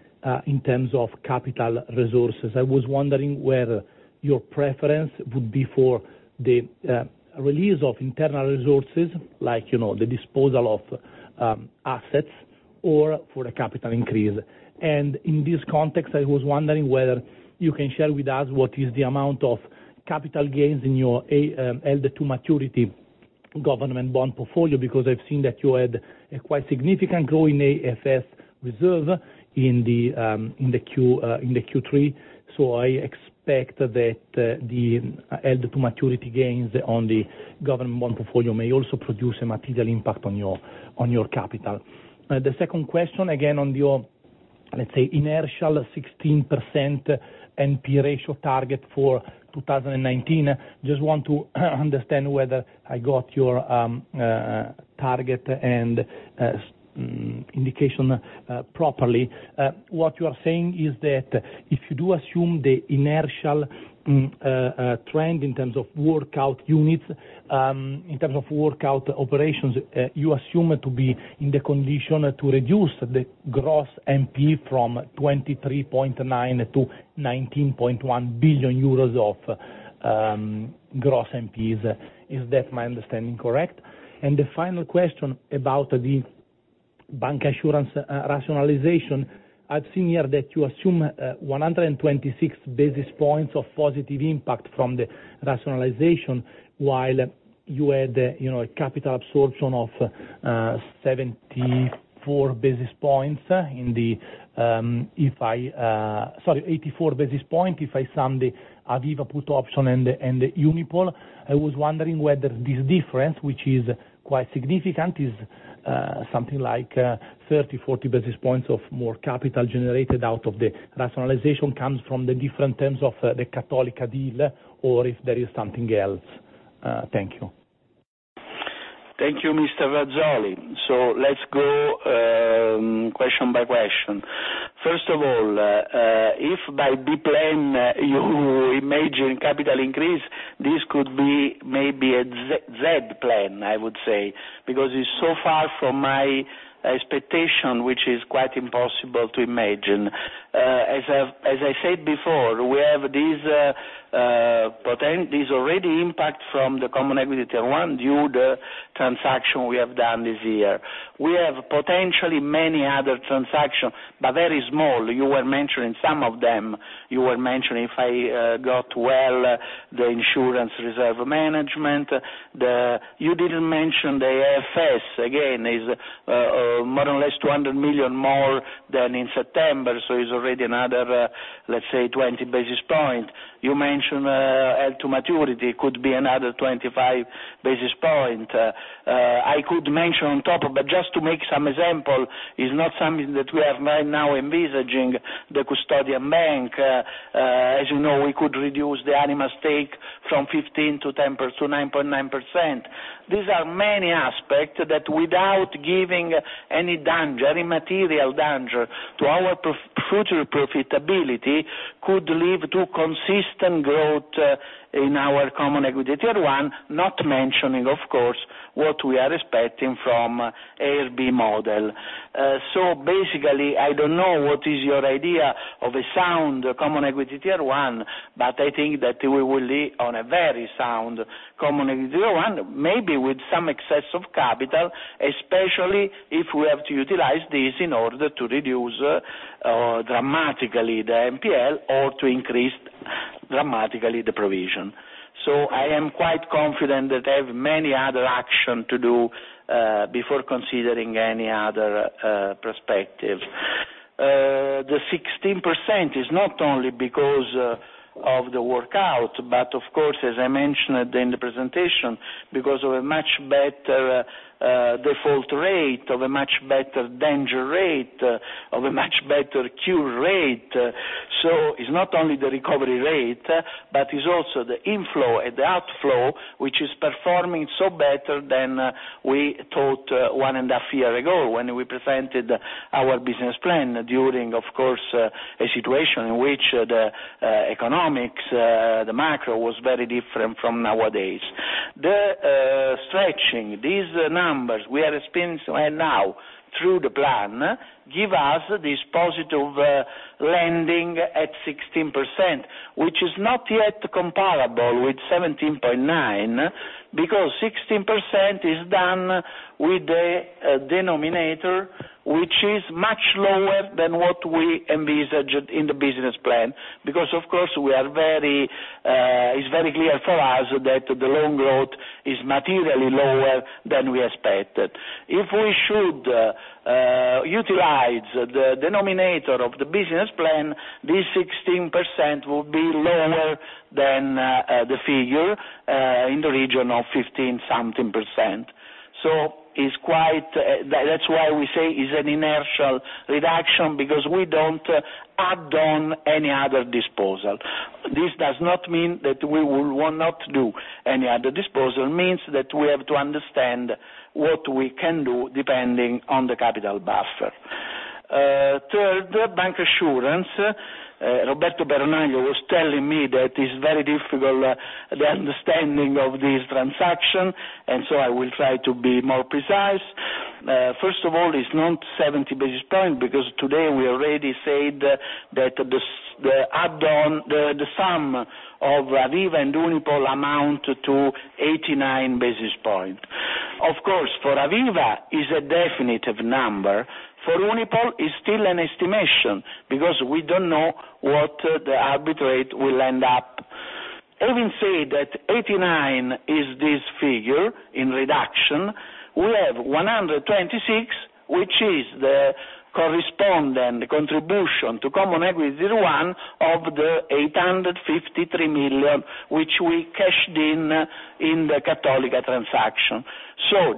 in terms of capital resources? I was wondering whether your preference would be for the release of internal resources like, the disposal of assets or for a capital increase. In this context, I was wondering whether you can share with us what is the amount of capital gains in your held to maturity government bond portfolio, because I've seen that you had a quite significant growing AFS reserve in Q3. I expect that the held to maturity gains on the government bond portfolio may also produce a material impact on your capital. The second question, again, on your, let's say, inertial 16% NPE ratio target for 2019. Just want to understand whether I got your target and indication properly. What you are saying is that if you do assume the inertial trend in terms of workout units, in terms of workout operations, you assume it to be in the condition to reduce the gross NPE from 23.9 billion EUR to 19.1 billion euros of gross NPEs. Is that my understanding correct? The final question about the bancassurance rationalization. I've seen here that you assume 126 basis points of positive impact from the rationalization while you had a capital absorption of 74 basis points in the Sorry, 84 basis points, if I sum the Aviva put option and the Unipol. I was wondering whether this difference, which is quite significant, is something like 30-40 basis points of more capital generated out of the rationalization comes from the different terms of the Cattolica deal or if there is something else. Thank you. Thank you, Mr. Razzoli. Let's go question by question. First of all, if by B plan you imagine capital increase, this could be maybe a Z plan, I would say, because it's so far from my expectation, which is quite impossible to imagine. As I said before, we have this already impact from the CET 1 due the transaction we have done this year. We have potentially many other transactions, but very small. You were mentioning some of them. You were mentioning, if I got well, the insurance reserve management. You didn't mention the AFS. Again, is more or less 200 million EUR more than in September, so is already another, let's say 20 basis points. You mentioned held to maturity could be another 25 basis points. I could mention on top of, just to make some examples, is not something that we are right now envisaging, the custodian bank. As you know, we could reduce the Anima stake from 15% to 9.9%. These are many aspects that without giving any material danger to our future profitability, could lead to consistent growth in our Common Equity Tier 1, not mentioning, of course, what we are expecting from IRB model. I don't know what is your idea of a sound Common Equity Tier 1, but I think that we will lead on a very sound Common Equity Tier 1, maybe with some excess of capital, especially if we have to utilize this in order to reduce dramatically the NPL or to increase dramatically the provision. I am quite confident that I have many other actions to do, before considering any other perspective. The 16% is not only because of the workout, but of course, as I mentioned in the presentation, because of a much better default rate, of a much better deterioration rate, of a much better cure rate. It's not only the recovery rate, but it's also the inflow and the outflow, which is performing so better than we thought one and a half years ago, when we presented our business plan during, of course, a situation in which the economics, the macro was very different from nowadays. Watching these numbers we are experiencing right now through the plan, give us this positive lending at 16%, which is not yet comparable with 17.9%, because 16% is done with the denominator, which is much lower than what we envisaged in the business plan. Because, of course, it's very clear for us that the loan growth is materially lower than we expected. If we should utilize the denominator of the business plan, this 16% will be lower than the figure, in the region of 15-something percent. That's why we say it's an inertial reduction, because we don't add on any other disposal. This does not mean that we will not do any other disposal. It means that we have to understand what we can do depending on the capital buffer. Third, bancassurance. Roberto Peronaglio was telling me that it's very difficult, the understanding of this transaction, I will try to be more precise. First of all, it's not 70 basis points, because today we already said that the sum of Aviva and Unipol amount to 89 basis points. Of course, for Aviva is a definitive number. For Unipol, it's still an estimation, because we don't know what the arbitration will end up. Having said that 89 basis points is this figure in reduction, we have 126 basis points, which is the correspondent contribution to Common Equity Tier 1 of the 853 million, which we cashed in the Cattolica transaction.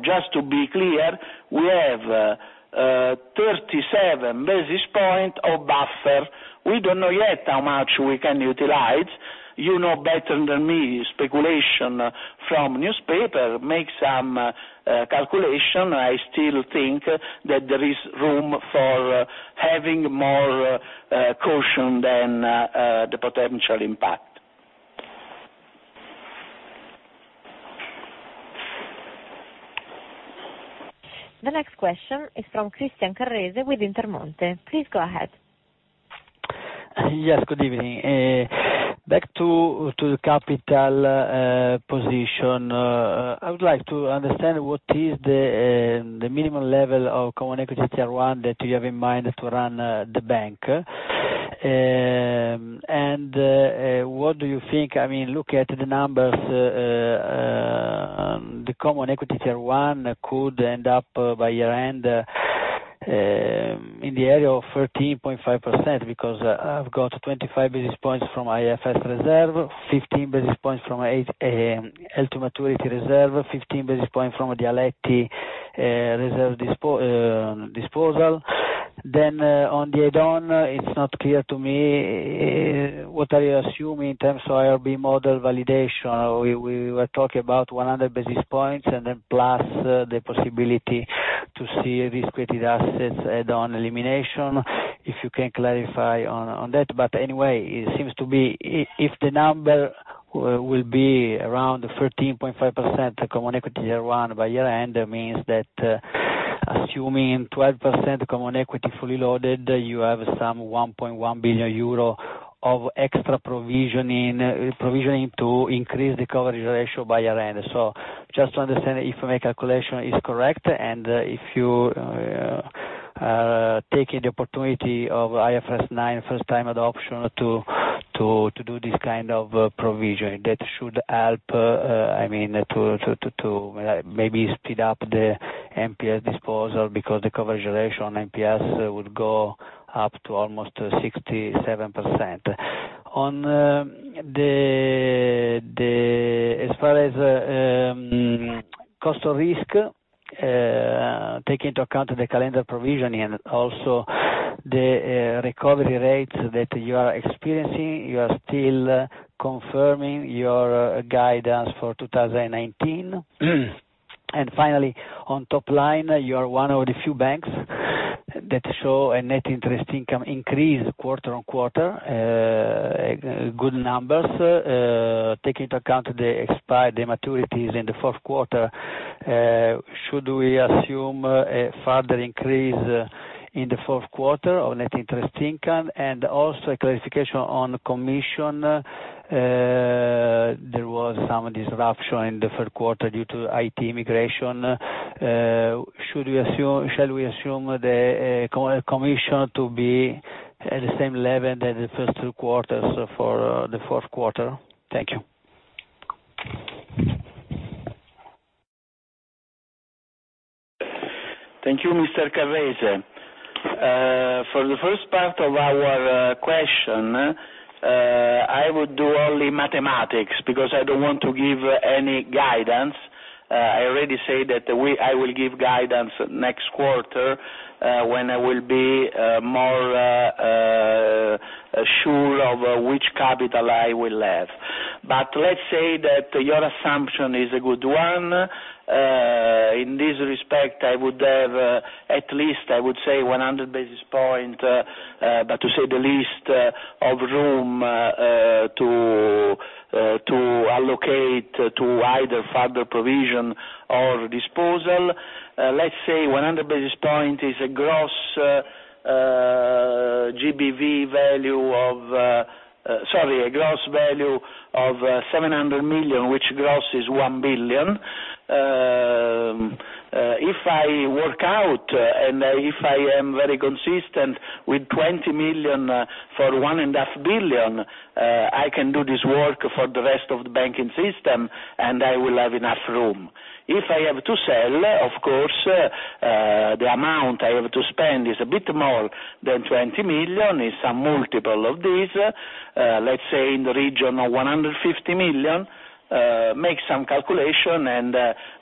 Just to be clear, we have 37 basis points of buffer. We don't know yet how much we can utilize. You know better than me, speculation from newspapers, make some calculations. I still think that there is room for having more caution than the potential impact. The next question is from Christian Carrese with Intermonte. Please go ahead. Yes, good evening. Back to the capital position. I would like to understand what is the minimum level of common equity tier one that you have in mind to run the bank. What do you think, looking at the numbers, the common equity tier one could end up by year-end in the area of 13.5%, because I've got 25 basis points from IFRS reserve, 15 basis points from held to maturity reserve, 15 basis points from Aletti reserve disposal. On the add-on, it's not clear to me what are you assuming in terms of IRB model validation. We were talking about 100 basis points, plus the possibility to see risk-weighted assets add-on elimination, if you can clarify on that. Anyway, if the number will be around 13.5% common equity tier one by year-end, that means that assuming 12% common equity fully loaded, you have some 1.1 billion euro of extra provisioning to increase the coverage ratio by year-end. Just to understand if my calculation is correct, and if you are taking the opportunity of IFRS 9 first-time adoption to do this kind of provisioning. That should help to maybe speed up the NPE disposal because the coverage ratio on NPE would go up to almost 67%. As far as cost of risk, take into account the calendar provisioning and also the recovery rates that you are experiencing. You are still confirming your guidance for 2019. Finally, on top line, you are one of the few banks that show a net interest income increase quarter-on-quarter. Good numbers. Take into account the expired maturities in the fourth quarter. Should we assume a further increase in the fourth quarter of net interest income? Also a clarification on commission. There was some disruption in the third quarter due to IT migration. Shall we assume the commission to be at the same level as the first 2 quarters for the fourth quarter? Thank you. Thank you, Mr. Carrese. For the first part of our question, I would do only mathematics, because I don't want to give any guidance. I already said that I will give guidance next quarter, when I will be more sure of which capital I will have. Let's say that your assumption is a good one. I would have at least, I would say 100 basis points, but to say the least, of room to allocate to either further provision or disposal. Let's say 100 basis points is a gross GBV value of Sorry, a gross value of 700 million, which gross is 1 billion. If I work out, if I am very consistent with 20 million for 1.5 billion, I can do this work for the rest of the banking system, I will have enough room. If I have to sell, of course, the amount I have to spend is a bit more than 20 million. It's a multiple of this, let's say in the region of 150 million. Make some calculation,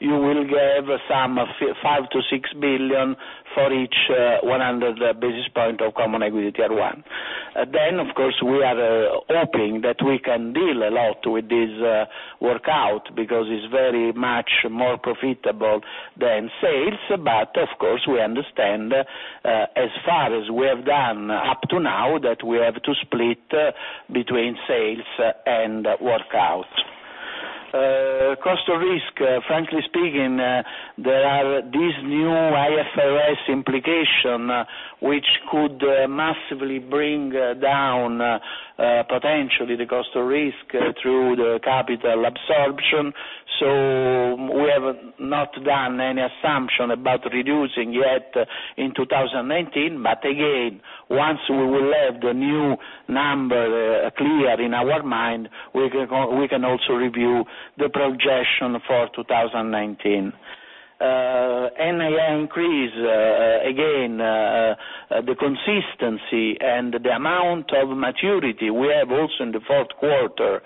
you will have a sum of 5 billion-6 billion for each 100 basis points of common equity Tier 1. Of course, we are hoping that we can deal a lot with this workout, because it's very much more profitable than sales. Of course, we understand, as far as we have done up to now, that we have to split between sales and workout. Cost of risk, frankly speaking, there are these new IFRS 9 implication, which could massively bring down potentially the cost of risk through the capital absorption. We have not done any assumption about reducing yet in 2019. Again, once we will have the new number clear in our mind, we can also review the projection for 2019. NII increase, again, the consistency and the amount of maturity we have also in the fourth quarter,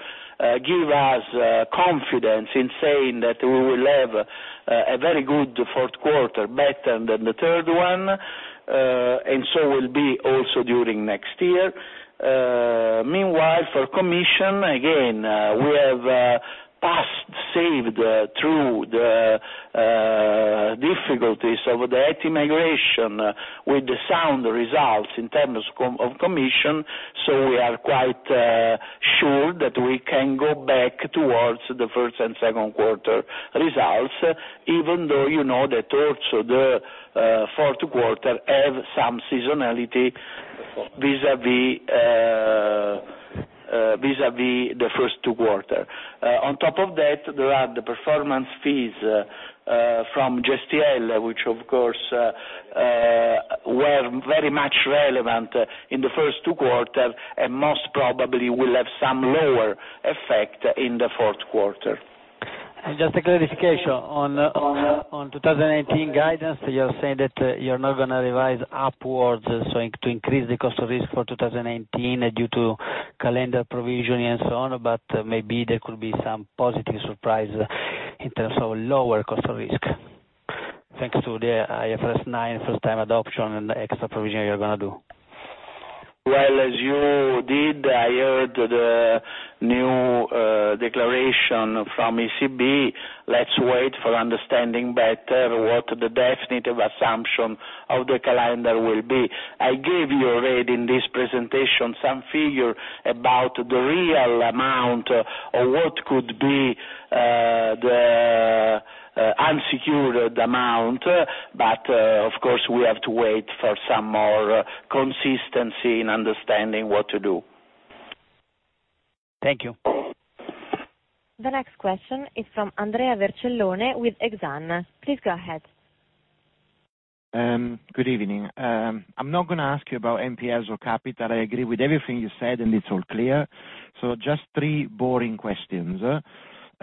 give us confidence in saying that we will have a very good fourth quarter, better than the third one, will be also during next year. Meanwhile, for commission, again, we have passed saved through the difficulties of the IT migration with the sound results in terms of commission, we are quite sure that we can go back towards the first and second quarter results, even though you know that also the fourth quarter have some seasonality vis-à-vis the first two quarters. On top of that, there are the performance fees from Gestielle, which of course, were very much relevant in the first two quarters and most probably will have some lower effect in the fourth quarter. Just a clarification on 2019 guidance. You're saying that you're not going to revise upwards, to increase the cost of risk for 2019 due to calendar provisioning and so on, but maybe there could be some positive surprise in terms of lower cost of risk, thanks to the IFRS 9 first-time adoption and the extra provisioning you're going to do. Well, as you did, I heard the new declaration from ECB. Let's wait for understanding better what the definitive assumption of the calendar will be. I gave you already in this presentation some figure about the real amount of what could be the unsecured amount. Of course, we have to wait for some more consistency in understanding what to do. Thank you. The next question is from Andrea Vercellone with Exane. Please go ahead. Good evening. I'm not going to ask you about NPLs or capital. I agree with everything you said, and it's all clear. Just three boring questions.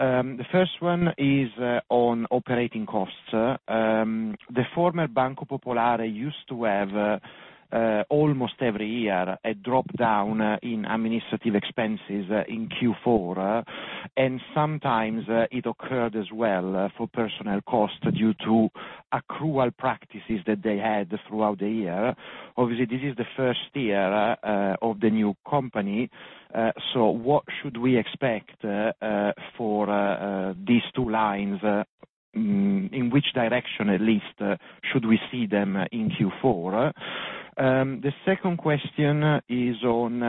The first one is on operating costs. The former Banco Popolare used to have, almost every year, a drop-down in administrative expenses in Q4, and sometimes it occurred as well for personnel costs due to accrual practices that they had throughout the year. Obviously, this is the first year of the new company. What should we expect for these two lines? In which direction, at least, should we see them in Q4? The second question is on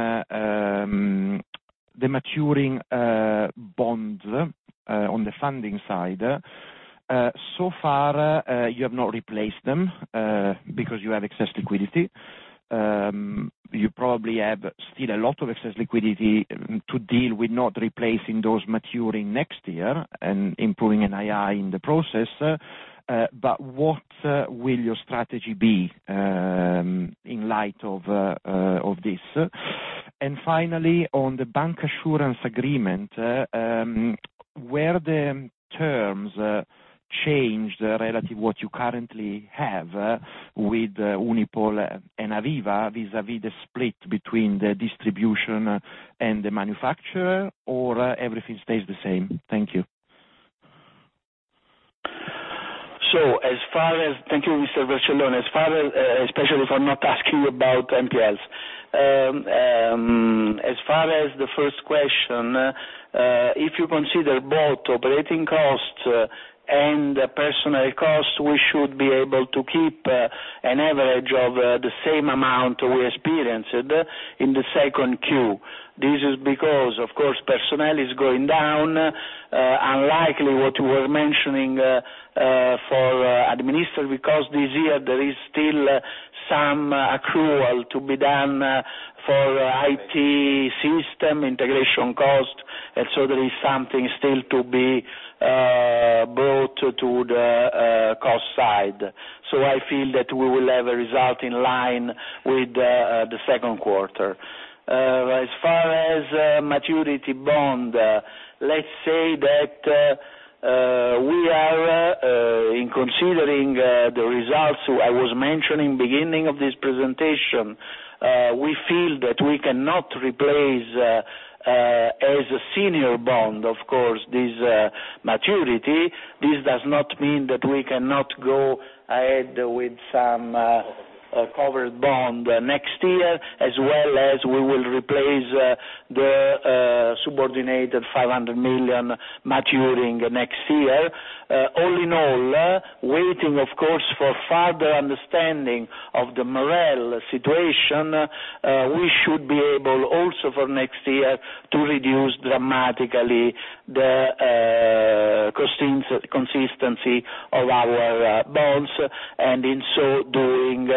the maturing bonds on the funding side. Far, you have not replaced them, because you have excess liquidity. You probably have still a lot of excess liquidity to deal with not replacing those maturing next year and improving NII in the process. What will your strategy be in light of this? Finally, on the bank assurance agreement, were the terms changed relative what you currently have with Unipol and Aviva vis-à-vis the split between the distribution and the manufacturer, or everything stays the same? Thank you. Thank you, Mr. Vercellone, especially for not asking about NPLs. As far as the first question, if you consider both operating costs and personnel costs, we should be able to keep an average of the same amount we experienced in the 2Q. This is because, of course, personnel is going down, unlikely what you were mentioning for administrative, because this year there is still some accrual to be done for IT system integration cost. There is something still to be brought to the cost side. I feel that we will have a result in line with the 2Q. As far as maturity bond, let's say that we are, in considering the results I was mentioning beginning of this presentation, we feel that we cannot replace, as a senior bond, of course, this maturity. This does not mean that we cannot go ahead with some covered bond next year, as well as we will replace the subordinated 500 million maturing next year. All in all, waiting, of course, for further understanding of the MREL situation, we should be able also for next year to reduce dramatically the consistency of our bonds and in so doing,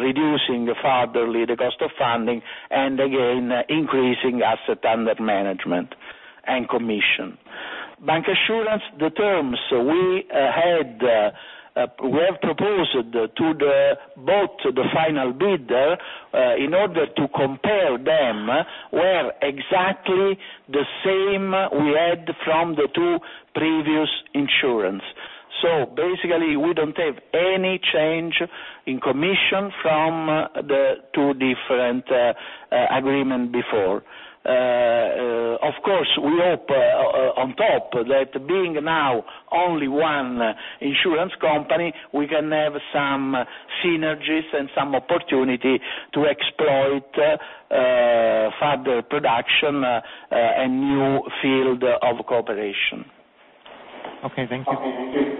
reducing furtherly the cost of funding and again, increasing asset under management and commission. Bank insurance, the terms we have proposed to both the final bidder in order to compare them, were exactly the same we had from the two previous insurance. Basically, we don't have any change in commission from the two different agreement before. Of course, we hope on top that being now only one insurance company, we can have some synergies and some opportunity to exploit further production and new field of cooperation. Okay, thank you.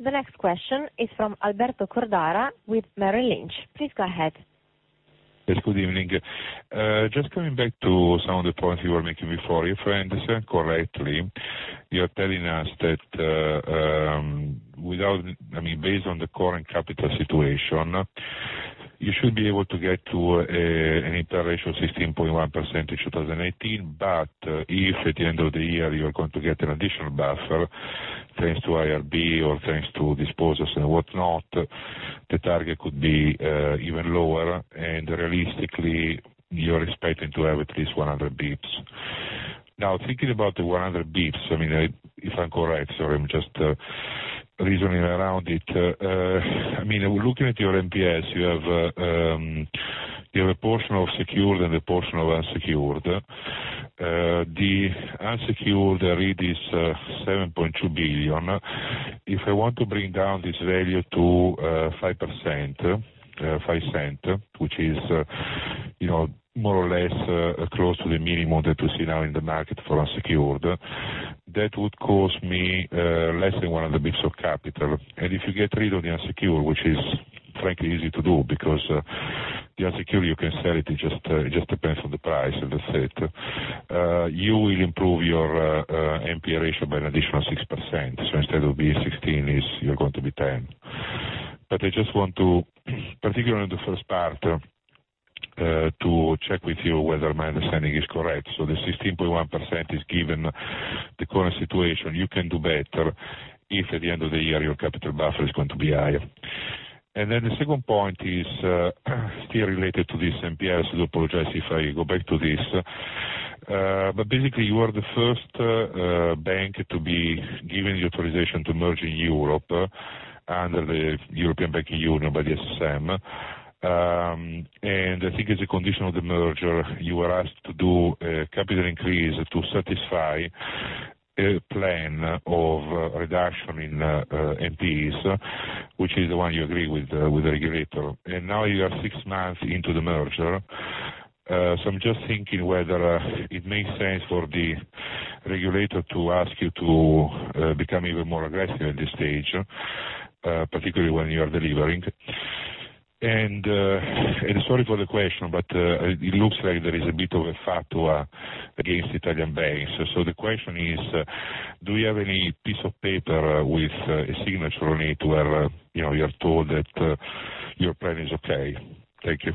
The next question is from Alberto Cordara with Merrill Lynch. Please go ahead. Yes, good evening. Just coming back to some of the points you were making before. If I understand correctly, you are telling us that based on the current capital situation, you should be able to get to an inter-ratio 16.1% in 2018, but if at the end of the year, you are going to get an additional buffer, thanks to IRB or thanks to disposals and whatnot, the target could be even lower, and realistically, you're expecting to have at least 100 basis points. Now, thinking about the 100 basis points, if I'm correct, sorry, I'm just reasoning around it. Looking at your NPE, you have a portion of secured and a portion of unsecured. The unsecured read is 7.2 billion. If I want to bring down this value to 0.05, which is more or less close to the minimum that we see now in the market for unsecured, that would cost me less than 100 basis points of capital. If you get rid of the unsecured, which is frankly easy to do because the unsecured you can sell it just depends on the price, that's it. You will improve your NPE ratio by an additional 6%. Instead of being 16%, you're going to be 10%. I just want to, particularly in the first part, to check with you whether my understanding is correct. The 16.1% is given the current situation. You can do better if at the end of the year, your capital buffer is going to be higher. The second point is still related to this NPE, apologize if I go back to this. You are the first bank to be given the authorization to merge in Europe under the European Banking Union by the SSM. As a condition of the merger, you were asked to do a capital increase to satisfy a plan of reduction in NPE, which is the one you agree with the regulator. Now you are 6 months into the merger. I'm just thinking whether it makes sense for the regulator to ask you to become even more aggressive at this stage, particularly when you are delivering. Sorry for the question, but it looks like there is a bit of a fatwa against Italian banks. The question is, do you have any piece of paper with a signature on it where you're told that your plan is okay? Thank you.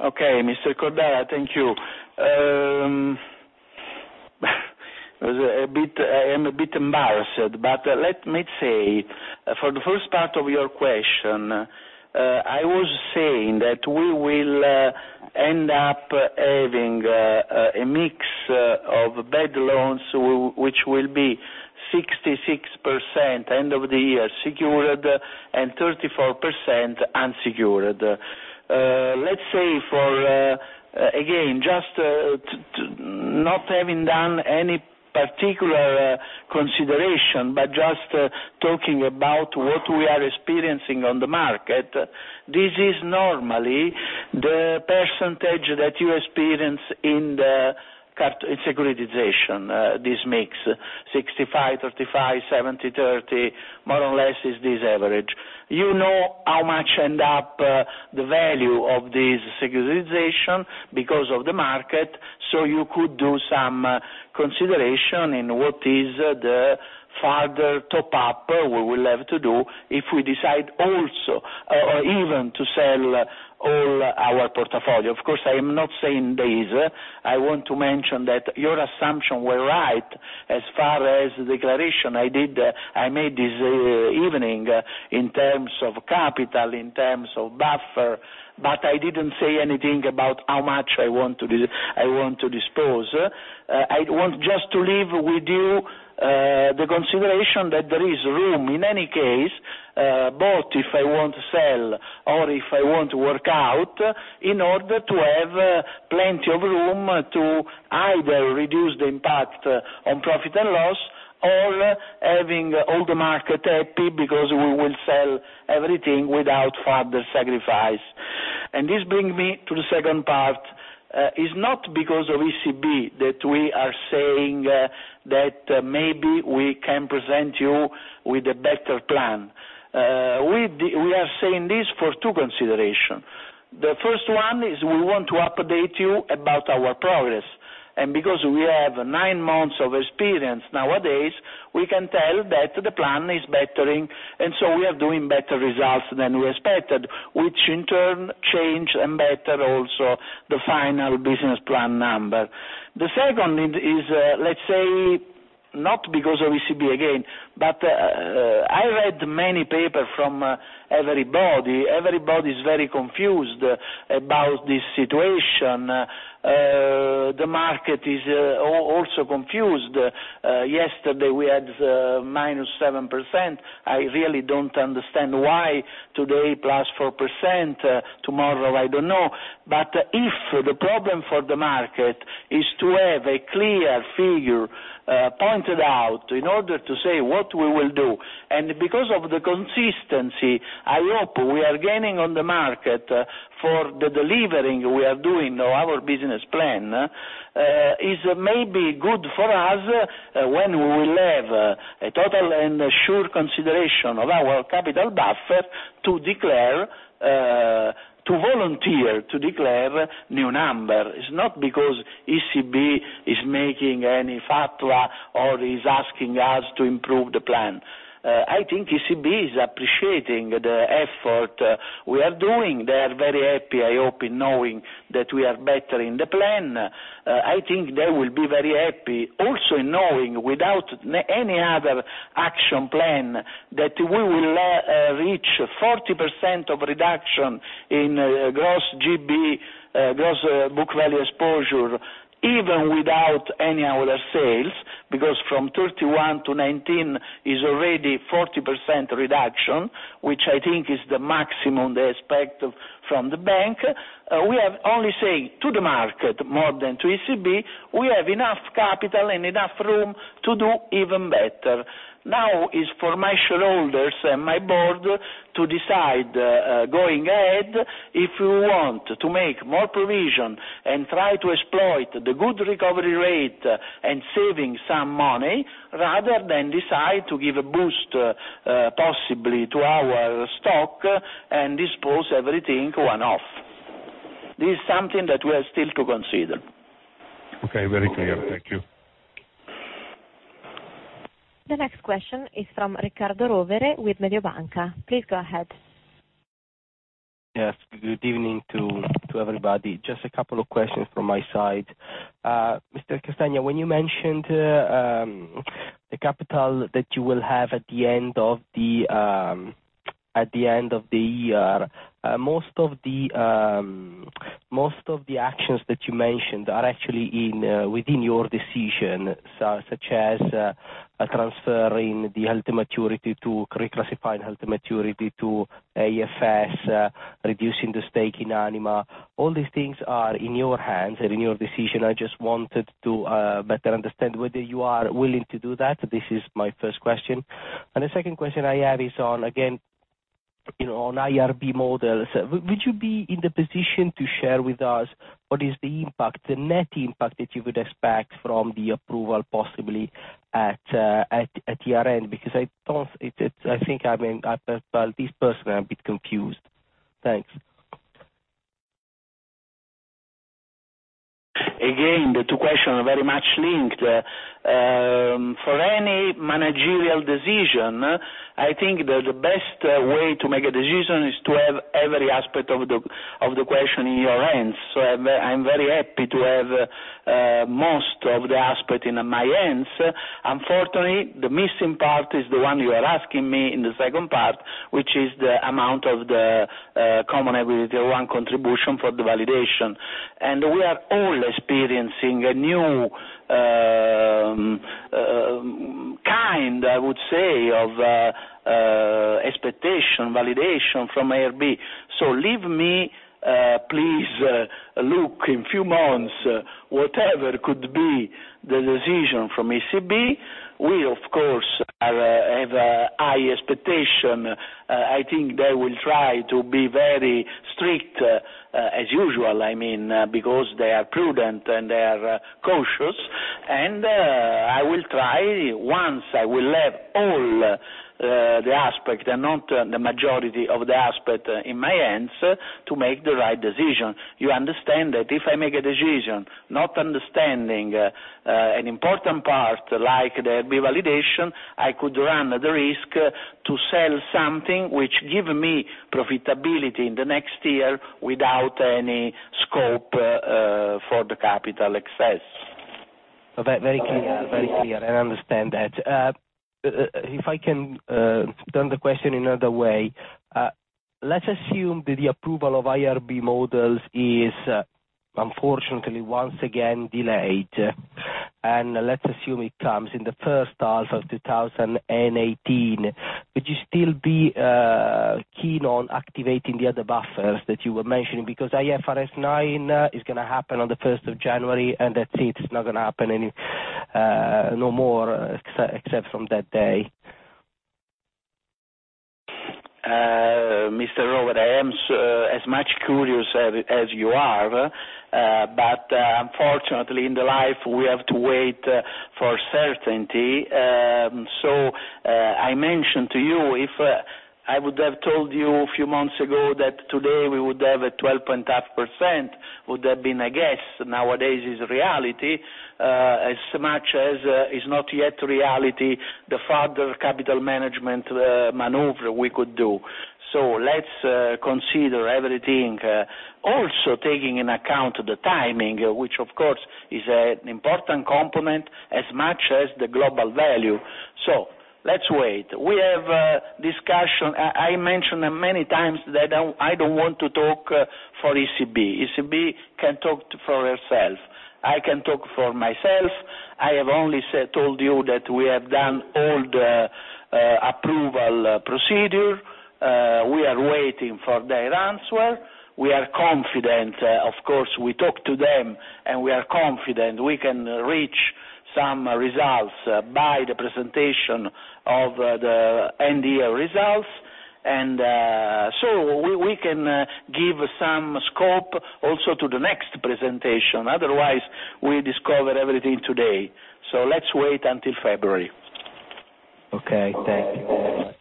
Okay, Mr. Cordara, thank you. I am a bit embarrassed, let me say, for the first part of your question, I was saying that we will end up having a mix of bad loans, which will be 66% end of the year secured and 34% unsecured. Let's say for, again, just not having done any particular consideration, just talking about what we are experiencing on the market, this is normally the percentage that you experience in the securitization, this mix, 65/35, 70/30, more or less is this average. You know how much end up the value of this securitization because of the market, you could do some consideration in what is the further top-up we will have to do if we decide also, or even to sell all our portfolio. Of course, I am not saying this. I want to mention that your assumption were right as far as the declaration I made this evening in terms of capital, in terms of buffer, I didn't say anything about how much I want to dispose. I want just to leave with you the consideration that there is room, in any case, both if I want to sell or if I want to work out, in order to have plenty of room to either reduce the impact on profit and loss, or having all the market happy because we will sell everything without further sacrifice. This brings me to the second part. It's not because of ECB that we are saying that maybe we can present you with a better plan. We are saying this for two consideration. The first one is we want to update you about our progress. Because we have nine months of experience nowadays, we can tell that the plan is bettering, so we are doing better results than we expected, which in turn change and better also the final business plan number. The second is, let's say, not because of ECB again, but I read many papers from everybody. Everybody is very confused about this situation. The market is also confused. Yesterday we had -7%. I really don't understand why today +4%, tomorrow, I don't know. If the problem for the market is to have a clear figure pointed out in order to say what we will do, and because of the consistency, I hope we are gaining on the market for the delivering we are doing on our business plan, is maybe good for us when we will have a total and sure consideration of our capital buffer to volunteer to declare new number. It's not because ECB is making any fatwa or is asking us to improve the plan. I think ECB is appreciating the effort we are doing. They are very happy, I hope, in knowing that we are bettering the plan. I think they will be very happy also in knowing without any other action plan that we will reach 40% of reduction in gross GB, gross book value exposure, even without any other sales, because from 31 to 19 is already 40% reduction, which I think is the maximum they expect from the bank. We have only say to the market more than to ECB, we have enough capital and enough room to do even better. Now is for my shareholders and my board to decide going ahead, if we want to make more provision and try to exploit the good recovery rate and saving some money rather than decide to give a boost, possibly, to our stock and dispose everything one-off. This is something that we are still to consider. Okay, very clear. Thank you. The next question is from Riccardo Rovere with Mediobanca. Please go ahead. Yes, good evening to everybody. Just a couple of questions from my side. Mr. Castagna, when you mentioned the capital that you will have at the end of the year, most of the actions that you mentioned are actually within your decision, such as transferring the held to maturity to reclassifying held to maturity to AFS, reducing the stake in Anima. All these things are in your hands and in your decision. I just wanted to better understand whether you are willing to do that. This is my first question. The second question I have is on, again, on IRB model. Would you be in the position to share with us what is the impact, the net impact that you would expect from the approval possibly at year-end? I think, at least personally, I'm a bit confused. Thanks. Again, the two question are very much linked. For any managerial decision, I think that the best way to make a decision is to have every aspect of the question in your hands. I'm very happy to have most of the aspect in my hands. Unfortunately, the missing part is the one you are asking me in the second part, which is the amount of the common equity, one contribution for the validation. We are all experiencing a new kind, I would say expectation, validation from IRB. Leave me, please, look in few months, whatever could be the decision from ECB. We of course have high expectation. I think they will try to be very strict, as usual, because they are prudent, and they are cautious. I will try, once I will have all the aspect, and not the majority of the aspect in my hands, to make the right decision. You understand that if I make a decision not understanding an important part, like the IRB validation, I could run the risk to sell something which give me profitability in the next year without any scope for the capital excess. Very clear. I understand that. If I can turn the question another way, let's assume that the approval of IRB models is unfortunately, once again delayed, and let's assume it comes in the first half of 2018. Would you still be keen on activating the other buffers that you were mentioning? IFRS 9 is going to happen on the 1st of January, that's it. It's not going to happen no more except from that day. Mr. Rovere, I am as much curious as you are. Unfortunately, in the life, we have to wait for certainty. I mentioned to you, if I would have told you a few months ago that today we would have a 12.5%, would have been a guess. Nowadays, is reality, as much as is not yet reality, the further capital management maneuver we could do. Let's consider everything, also taking in account the timing, which of course is an important component as much as the global value. Let's wait. We have a discussion. I mentioned many times that I don't want to talk for ECB. ECB can talk for herself. I can talk for myself. I have only told you that we have done all the approval procedure. We are waiting for their answer. We are confident, of course, we talk to them, we are confident we can reach some results by the presentation of the FY results. We can give some scope also to the next presentation. Otherwise, we discover everything today. Let's wait until February. Okay, thank you.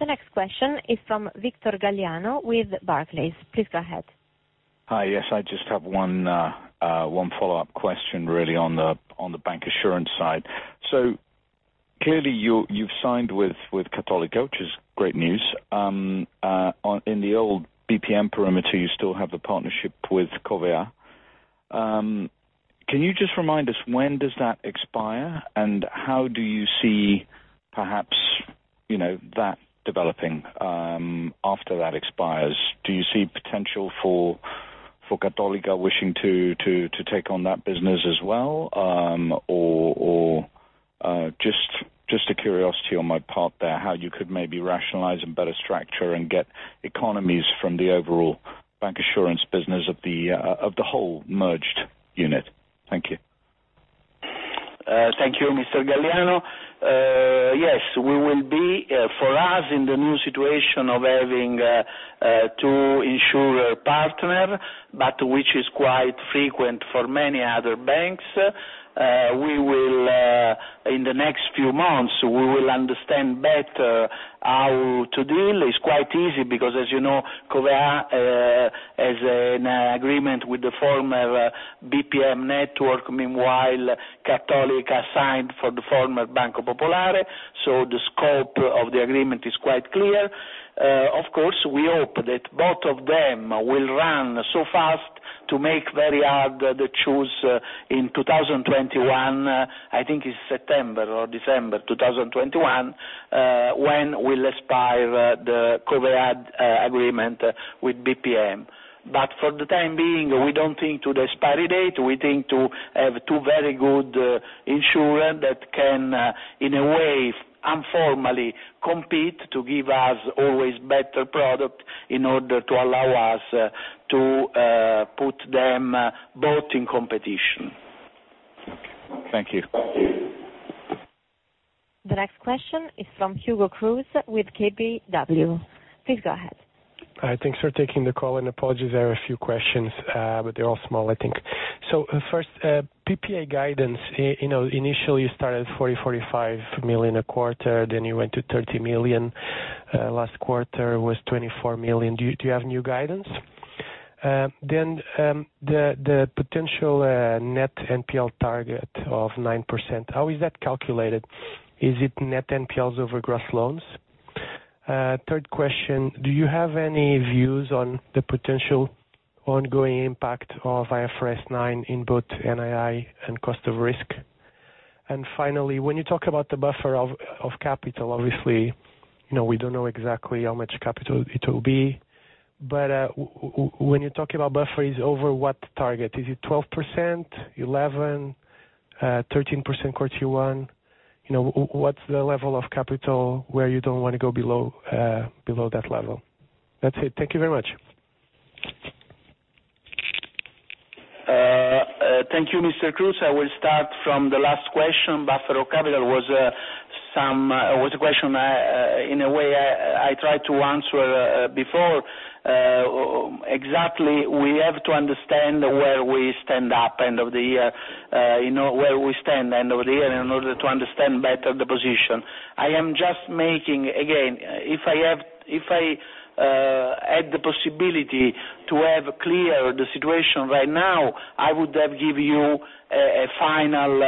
The next question is from Victor Galliano with Barclays. Please go ahead. Hi. Yes, I just have one follow-up question really on the bancassurance side. Clearly you've signed with Cattolica, which is great news. In the old BPM perimeter, you still have the partnership with Covéa. Can you just remind us when does that expire, and how do you see perhaps that developing after that expires? Do you see potential for Cattolica wishing to take on that business as well? Just a curiosity on my part there, how you could maybe rationalize and better structure and get economies from the overall bancassurance business of the whole merged unit. Thank you. Thank you, Mr. Galliano. Yes, for us in the new situation of having two insurer partner. Which is quite frequent for many other banks. In the next few months, we will understand better how to deal. It's quite easy because as you know, Covéa has an agreement with the former BPM network. Meanwhile, Cattolica signed for the former Banco Popolare. The scope of the agreement is quite clear. Of course, we hope that both of them will run so fast to make very hard the choose in 2021, I think it's September or December 2021, when will expire the Covéa agreement with BPM. For the time being, we don't think to the expiry date. We think to have two very good insurer that can, in a way, informally compete to give us always better product in order to allow us to put them both in competition. Thank you. The next question is from Hugo Cruz with KBW. Please go ahead. Hi. Apologies, there are a few questions, but they're all small, I think. First, PPA guidance, initially you started at 40 million-45 million a quarter, then you went to 30 million. Last quarter was 24 million. Do you have new guidance? The potential net NPL target of 9%. How is that calculated? Is it net NPLs over gross loans? Third question, do you have any views on the potential ongoing impact of IFRS 9 in both NII and cost of risk? Finally, when you talk about the buffer of capital, obviously, we don't know exactly how much capital it will be. When you talk about buffer, is over what target? Is it 12%? 11%? 13% CET1. What's the level of capital where you don't want to go below that level? That's it. Thank you very much. Thank you, Mr. Cruz. I will start from the last question. Buffer capital was a question, in a way, I tried to answer before exactly. We have to understand where we stand end of the year in order to understand better the position. Again, if I had the possibility to have clear the situation right now, I would have given you a final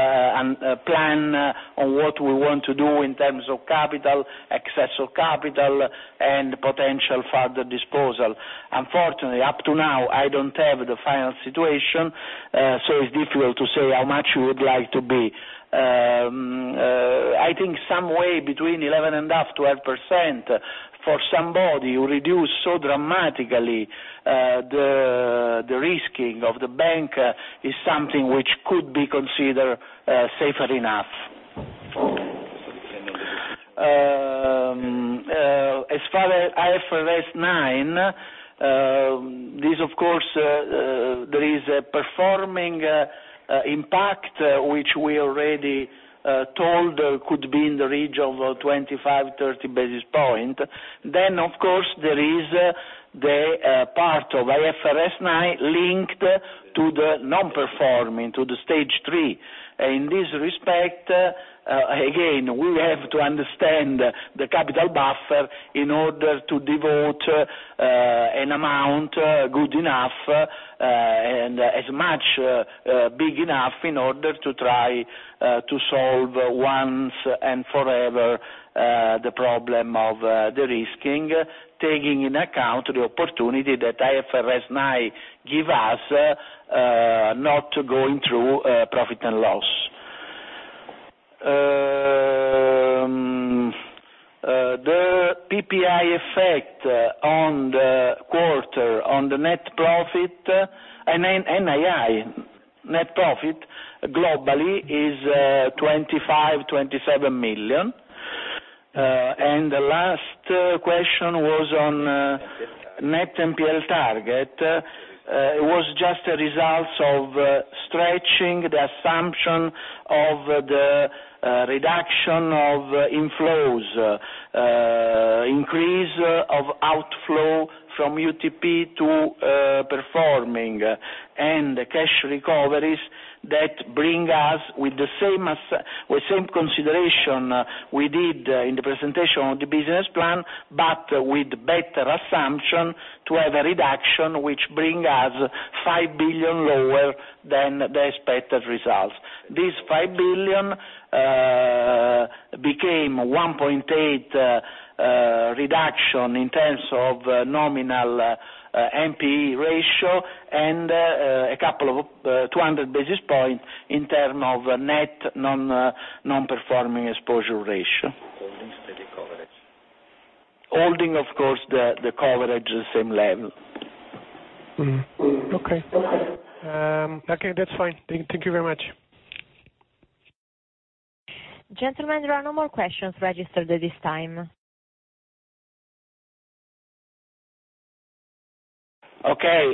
plan on what we want to do in terms of capital, excess of capital, and potential further disposal. Unfortunately, up to now, I don't have the final situation, so it's difficult to say how much we would like to be. I think somewhere between 11.5%-12% for somebody who reduced so dramatically the risking of the bank is something which could be considered safe enough. As far as IFRS 9, there is a performing impact which we already told could be in the region of 25-30 basis points. Of course, there is the part of IFRS 9 linked to the non-performing, to the stage 3. In this respect, again we have to understand the capital buffer in order to devote an amount good enough, and as much big enough in order to try to solve once and forever the problem of the risking, taking into account the opportunity that IFRS 9 give us, not going through profit and loss. The PPA effect on the quarter on the net profit, NII net profit globally is 25 million-27 million. The last question was on net NPL target. It was just a result of stretching the assumption of the reduction of inflows, increase of outflow from UTP to performing, and cash recoveries that bring us with the same consideration we did in the presentation of the business plan, but with better assumption to have a reduction which bring us 5 billion lower than the expected results. This 5 billion became 1.8 reduction in terms of nominal NPE ratio and 200 basis points in term of net Non-Performing Exposure ratio. Holding steady coverage. Holding, of course, the coverage at the same level. Okay. That's fine. Thank you very much. Gentlemen, there are no more questions registered at this time. Okay.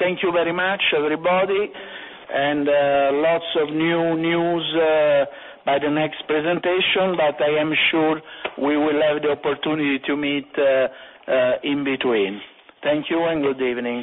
Thank you very much, everybody, and lots of new news by the next presentation. I am sure we will have the opportunity to meet in between. Thank you and good evening.